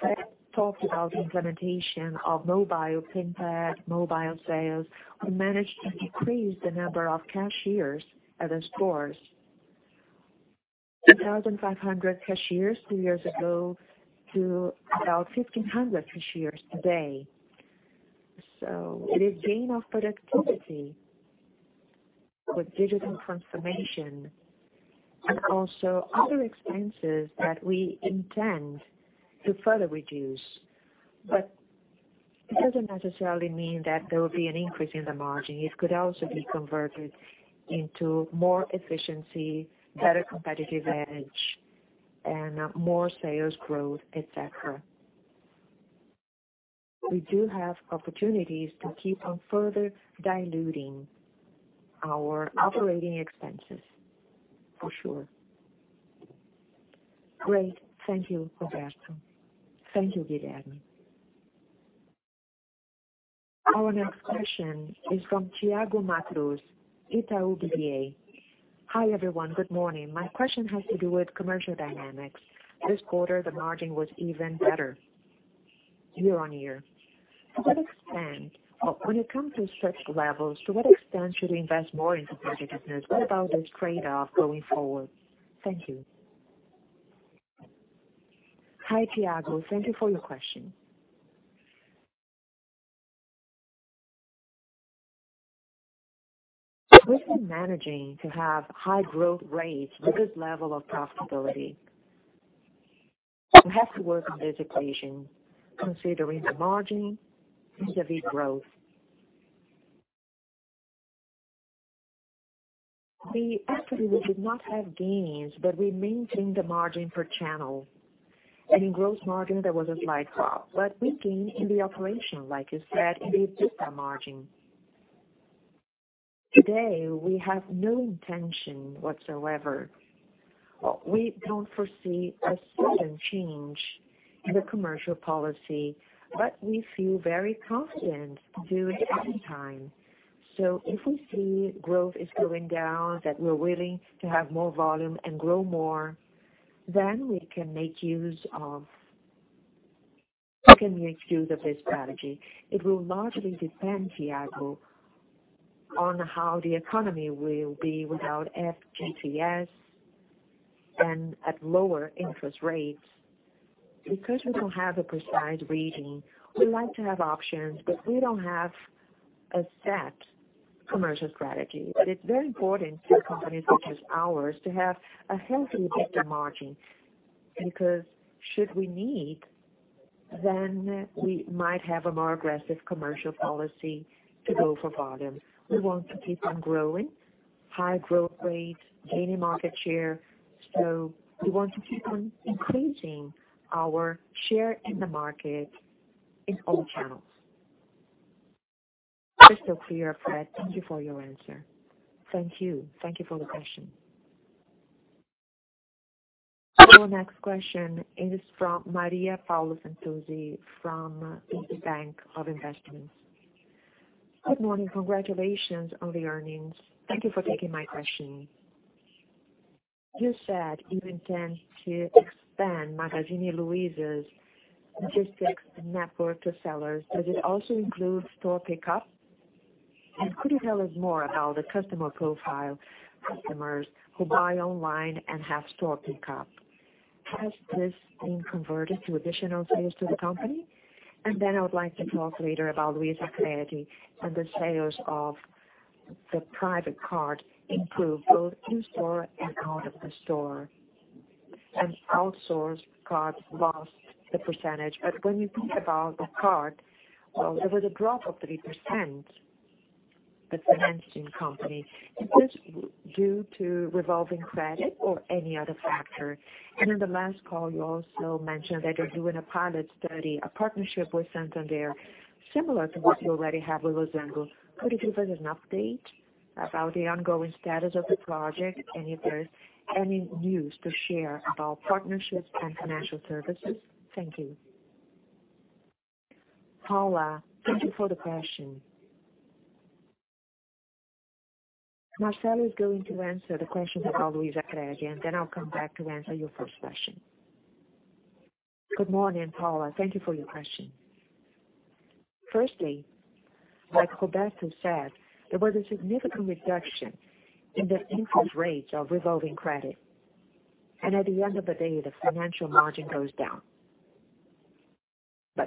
Speaker 3: Fred talked about the implementation of mobile Pinpad, mobile sales. We managed to decrease the number of cashiers at the stores, from 2,500 cashiers two years ago to about 1,500 cashiers today. It is gain of productivity with digital transformation and also other expenses that we intend to further reduce. It doesn't necessarily mean that there will be an increase in the margin. It could also be converted into more efficiency, better competitive edge, and more sales growth, et cetera. We do have opportunities to keep on further diluting our operating expenses, for sure.
Speaker 9: Great. Thank you, Roberto.
Speaker 3: Thank you, Guilherme.
Speaker 1: Our next question is from Thiago Macruz, Itaú BBA.
Speaker 11: Hi, everyone. Good morning. My question has to do with commercial dynamics. This quarter, the margin was even better year-on-year. When it comes to stretched levels, to what extent should we invest more into productiveness? What about this trade-off going forward? Thank you.
Speaker 2: Hi, Thiago. Thank you for your question. We've been managing to have high growth rates with this level of profitability. We have to work on this equation considering the margin vis-à-vis growth. Actually, we did not have gains, but we maintained the margin per channel. In gross margin, there was a slight drop, but we gained in the operation, like you said, in the EBITDA margin. Today, we have no intention whatsoever. We don't foresee a sudden change in the commercial policy, but we feel very confident to do it any time. If we see growth is going down, that we're willing to have more volume and grow more, then we can make use of this strategy. It will largely depend, Thiago, on how the economy will be without FGTS and at lower interest rates. We don't have a precise reading, we like to have options, but we don't have a set commercial strategy. It's very important for companies such as ours to have a healthy EBITDA margin, because should we need, then we might have a more aggressive commercial policy to go for volume. We want to keep on growing, high growth rate, gaining market share. We want to keep on increasing our share in the market in all channels.
Speaker 11: Super clear, Fred. Thank you for your answer.
Speaker 2: Thank you. Thank you for the question.
Speaker 1: Our next question is from [Maria Paula Santosi] from Bank of Investments.
Speaker 12: Good morning. Congratulations on the earnings. Thank you for taking my question. You said you intend to expand Magazine Luiza's logistics network to sellers. Does it also include store pickup? Could you tell us more about the customer profile, customers who buy online and have store pickup? Has this been converted to additional sales to the company? Then I would like to talk later about Luizacred and the sales of the private card improved both in store and out of the store. Outsourced cards lost the percentage. When you think about the card, well, there was a drop of 3%, the financing company. Is this due to revolving credit or any other factor? In the last call, you also mentioned that you're doing a pilot study, a partnership with Santander, similar to what you already have with Losango. Could you give us an update about the ongoing status of the project? If there's any news to share about partnerships and financial services. Thank you.
Speaker 2: Paula, thank you for the question. Marcelo is going to answer the question about Luizacred, and then I'll come back to answer your first question.
Speaker 13: Good morning, Paula. Thank you for your question. Firstly, like Roberto said, there was a significant reduction in the interest rates of revolving credit. At the end of the day, the financial margin goes down.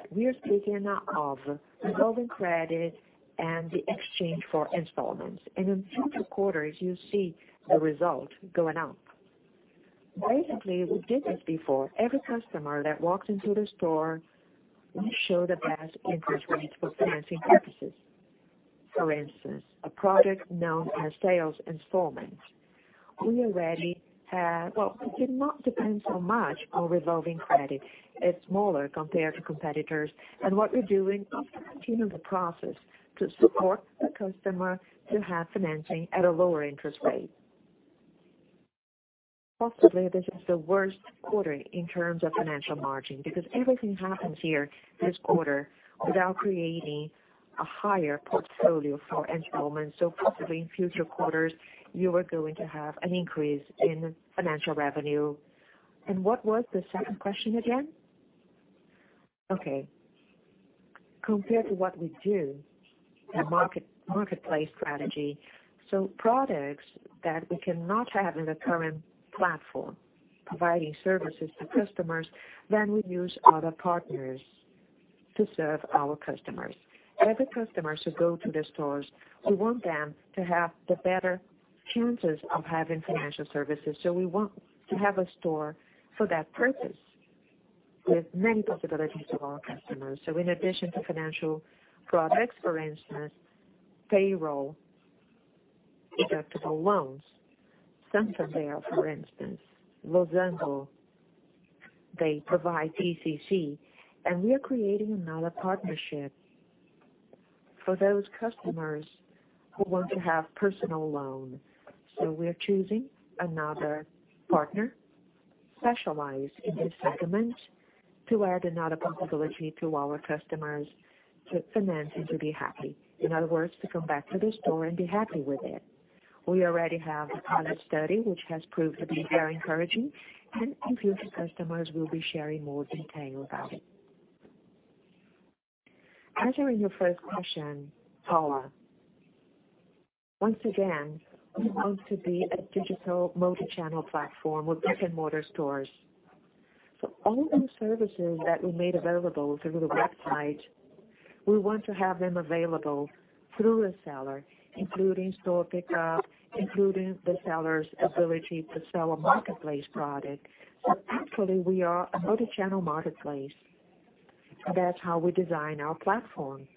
Speaker 13: We're speaking of revolving credit and the exchange for installments. In future quarters, you see the result going up. Basically, we did this before. Every customer that walks into the store, we show the best interest rates for financing purposes. For instance, a product known as sales installments. Well, we did not depend so much on revolving credit. It's smaller compared to competitors. What we're doing, we're continuing the process to support the customer to have financing at a lower interest rate. Possibly, this is the worst quarter in terms of financial margin, because everything happens here this quarter without creating a higher portfolio for installments. Possibly in future quarters, you are going to have an increase in financial revenue. What was the second question again? Okay. Compared to what we do, the marketplace strategy. Products that we cannot have in the current platform, providing services to customers, then we use other partners to serve our customers. Every customer should go to the stores. We want them to have the better chances of having financial services. We want to have a store for that purpose with many possibilities of our customers. In addition to financial products, for instance, payroll-deductible loans. Santander, for instance, Losango, they provide CDC. We are creating another partnership for those customers who want to have personal loan. We're choosing another partner specialized in this segment to add another possibility to our customers to finance and to be happy. In other words, to come back to the store and be happy with it. We already have a pilot study, which has proved to be very encouraging, and in future customers, we'll be sharing more detail about it.
Speaker 2: Answering your first question, Paula. Once again, we want to be a digital multi-channel platform with brick-and-mortar stores. All those services that we made available through the website, we want to have them available through a seller, including store pickup, including the seller's ability to sell a marketplace product. Actually, we are a multi-channel marketplace. That's how we design our platform.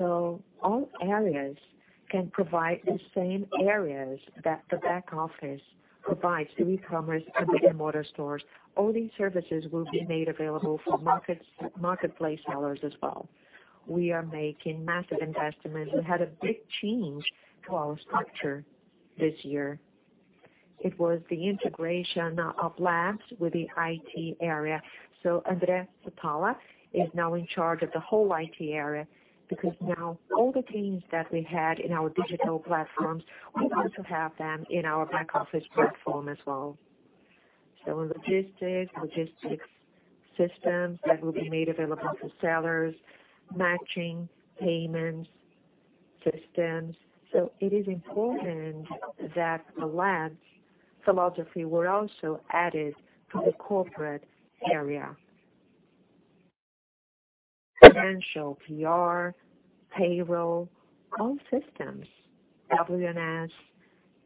Speaker 2: All areas can provide the same areas that the back office provides to e-commerce and brick-and-mortar stores. All these services will be made available for marketplace sellers as well. We are making massive investments. We had a big change to our structure this year. It was the integration of LuizaLabs with the IT area. André Fatala is now in charge of the whole IT area, because now all the teams that we had in our digital platforms, we also have them in our back office platform as well. Logistics systems that will be made available to sellers, matching payment systems. It is important that the LuizaLabs' philosophy was also added to the corporate area. Financial, PR, payroll, all systems, WMS,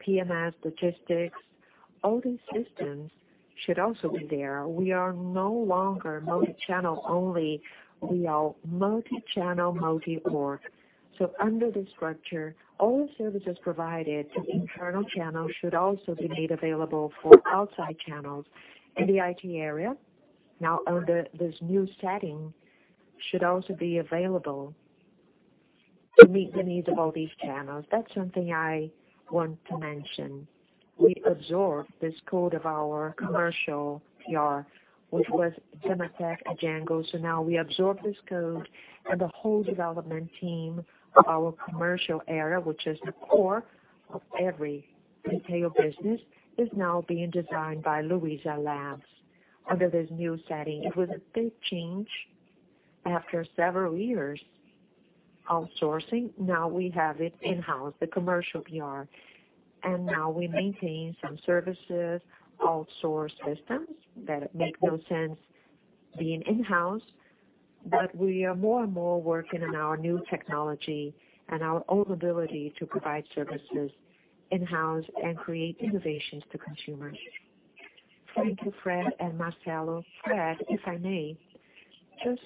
Speaker 2: PMS, logistics, all these systems should also be there. We are no longer multi-channel only. We are multi-channel, multi-core. Under this structure, all services provided to internal channels should also be made available for outside channels. The IT area, now under this new setting, should also be available to meet the needs of all these channels. That's something I want to mention. We absorbed this code of our commercial PR, which was Gematec and Django. Now we absorb this code and the whole development team of our commercial area, which is the core of every retail business, is now being designed by LuizaLabs under this new setting. It was a big change after several years outsourcing. Now we have it in-house, the commercial PR. Now we maintain some services, outsourced systems that make no sense being in-house. We are more and more working on our new technology and our own ability to provide services in-house and create innovations to consumers.
Speaker 12: Thank you, Fred and Marcelo. Fred, if I may, just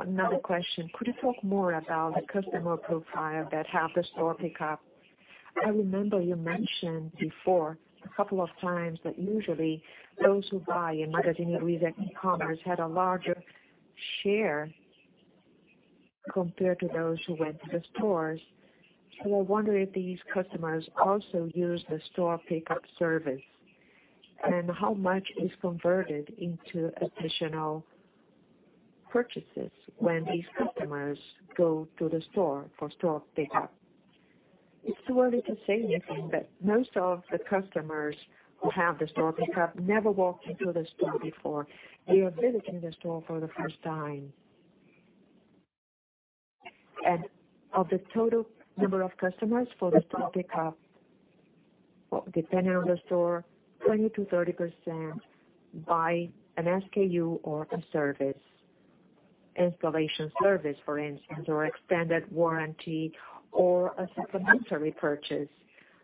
Speaker 12: another question. Could you talk more about the customer profile that have the store pickup? I remember you mentioned before a couple of times that usually those who buy in Magazine Luiza e-commerce had a larger share compared to those who went to the stores. I wonder if these customers also use the store pickup service, and how much is converted into additional purchases when these customers go to the store for store pickup.
Speaker 2: It's too early to say anything, but most of the customers who have the store pickup never walked into the store before. They are visiting the store for the first time. Of the total number of customers for the store pickup, depending on the store, 20%-30% buy an SKU or a service. Installation service, for instance, or extended warranty or a supplementary purchase.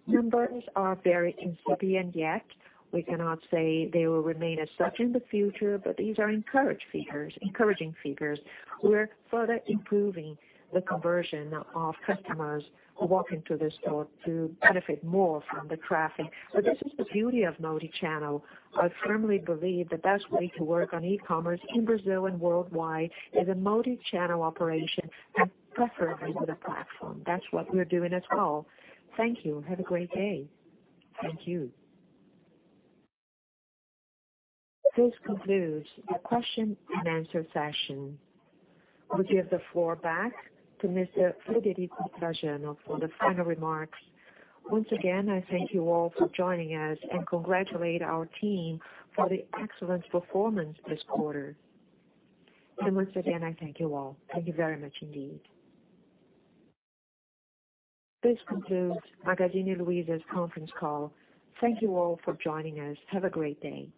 Speaker 2: Numbers are very incipient yet. We cannot say they will remain as such in the future, but these are encouraging figures. We're further improving the conversion of customers who walk into the store to benefit more from the traffic. This is the beauty of multi-channel. I firmly believe the best way to work on e-commerce in Brazil and worldwide is a multi-channel operation, preferably with a platform. That's what we're doing as well.
Speaker 12: Thank you. Have a great day.
Speaker 2: Thank you.
Speaker 1: This concludes the question and answer session. We give the floor back to Mr. Frederico Trajano for the final remarks.
Speaker 2: Once again, I thank you all for joining us and congratulate our team for the excellent performance this quarter. Once again, I thank you all. Thank you very much indeed.
Speaker 1: This concludes Magazine Luiza's conference call. Thank you all for joining us. Have a great day.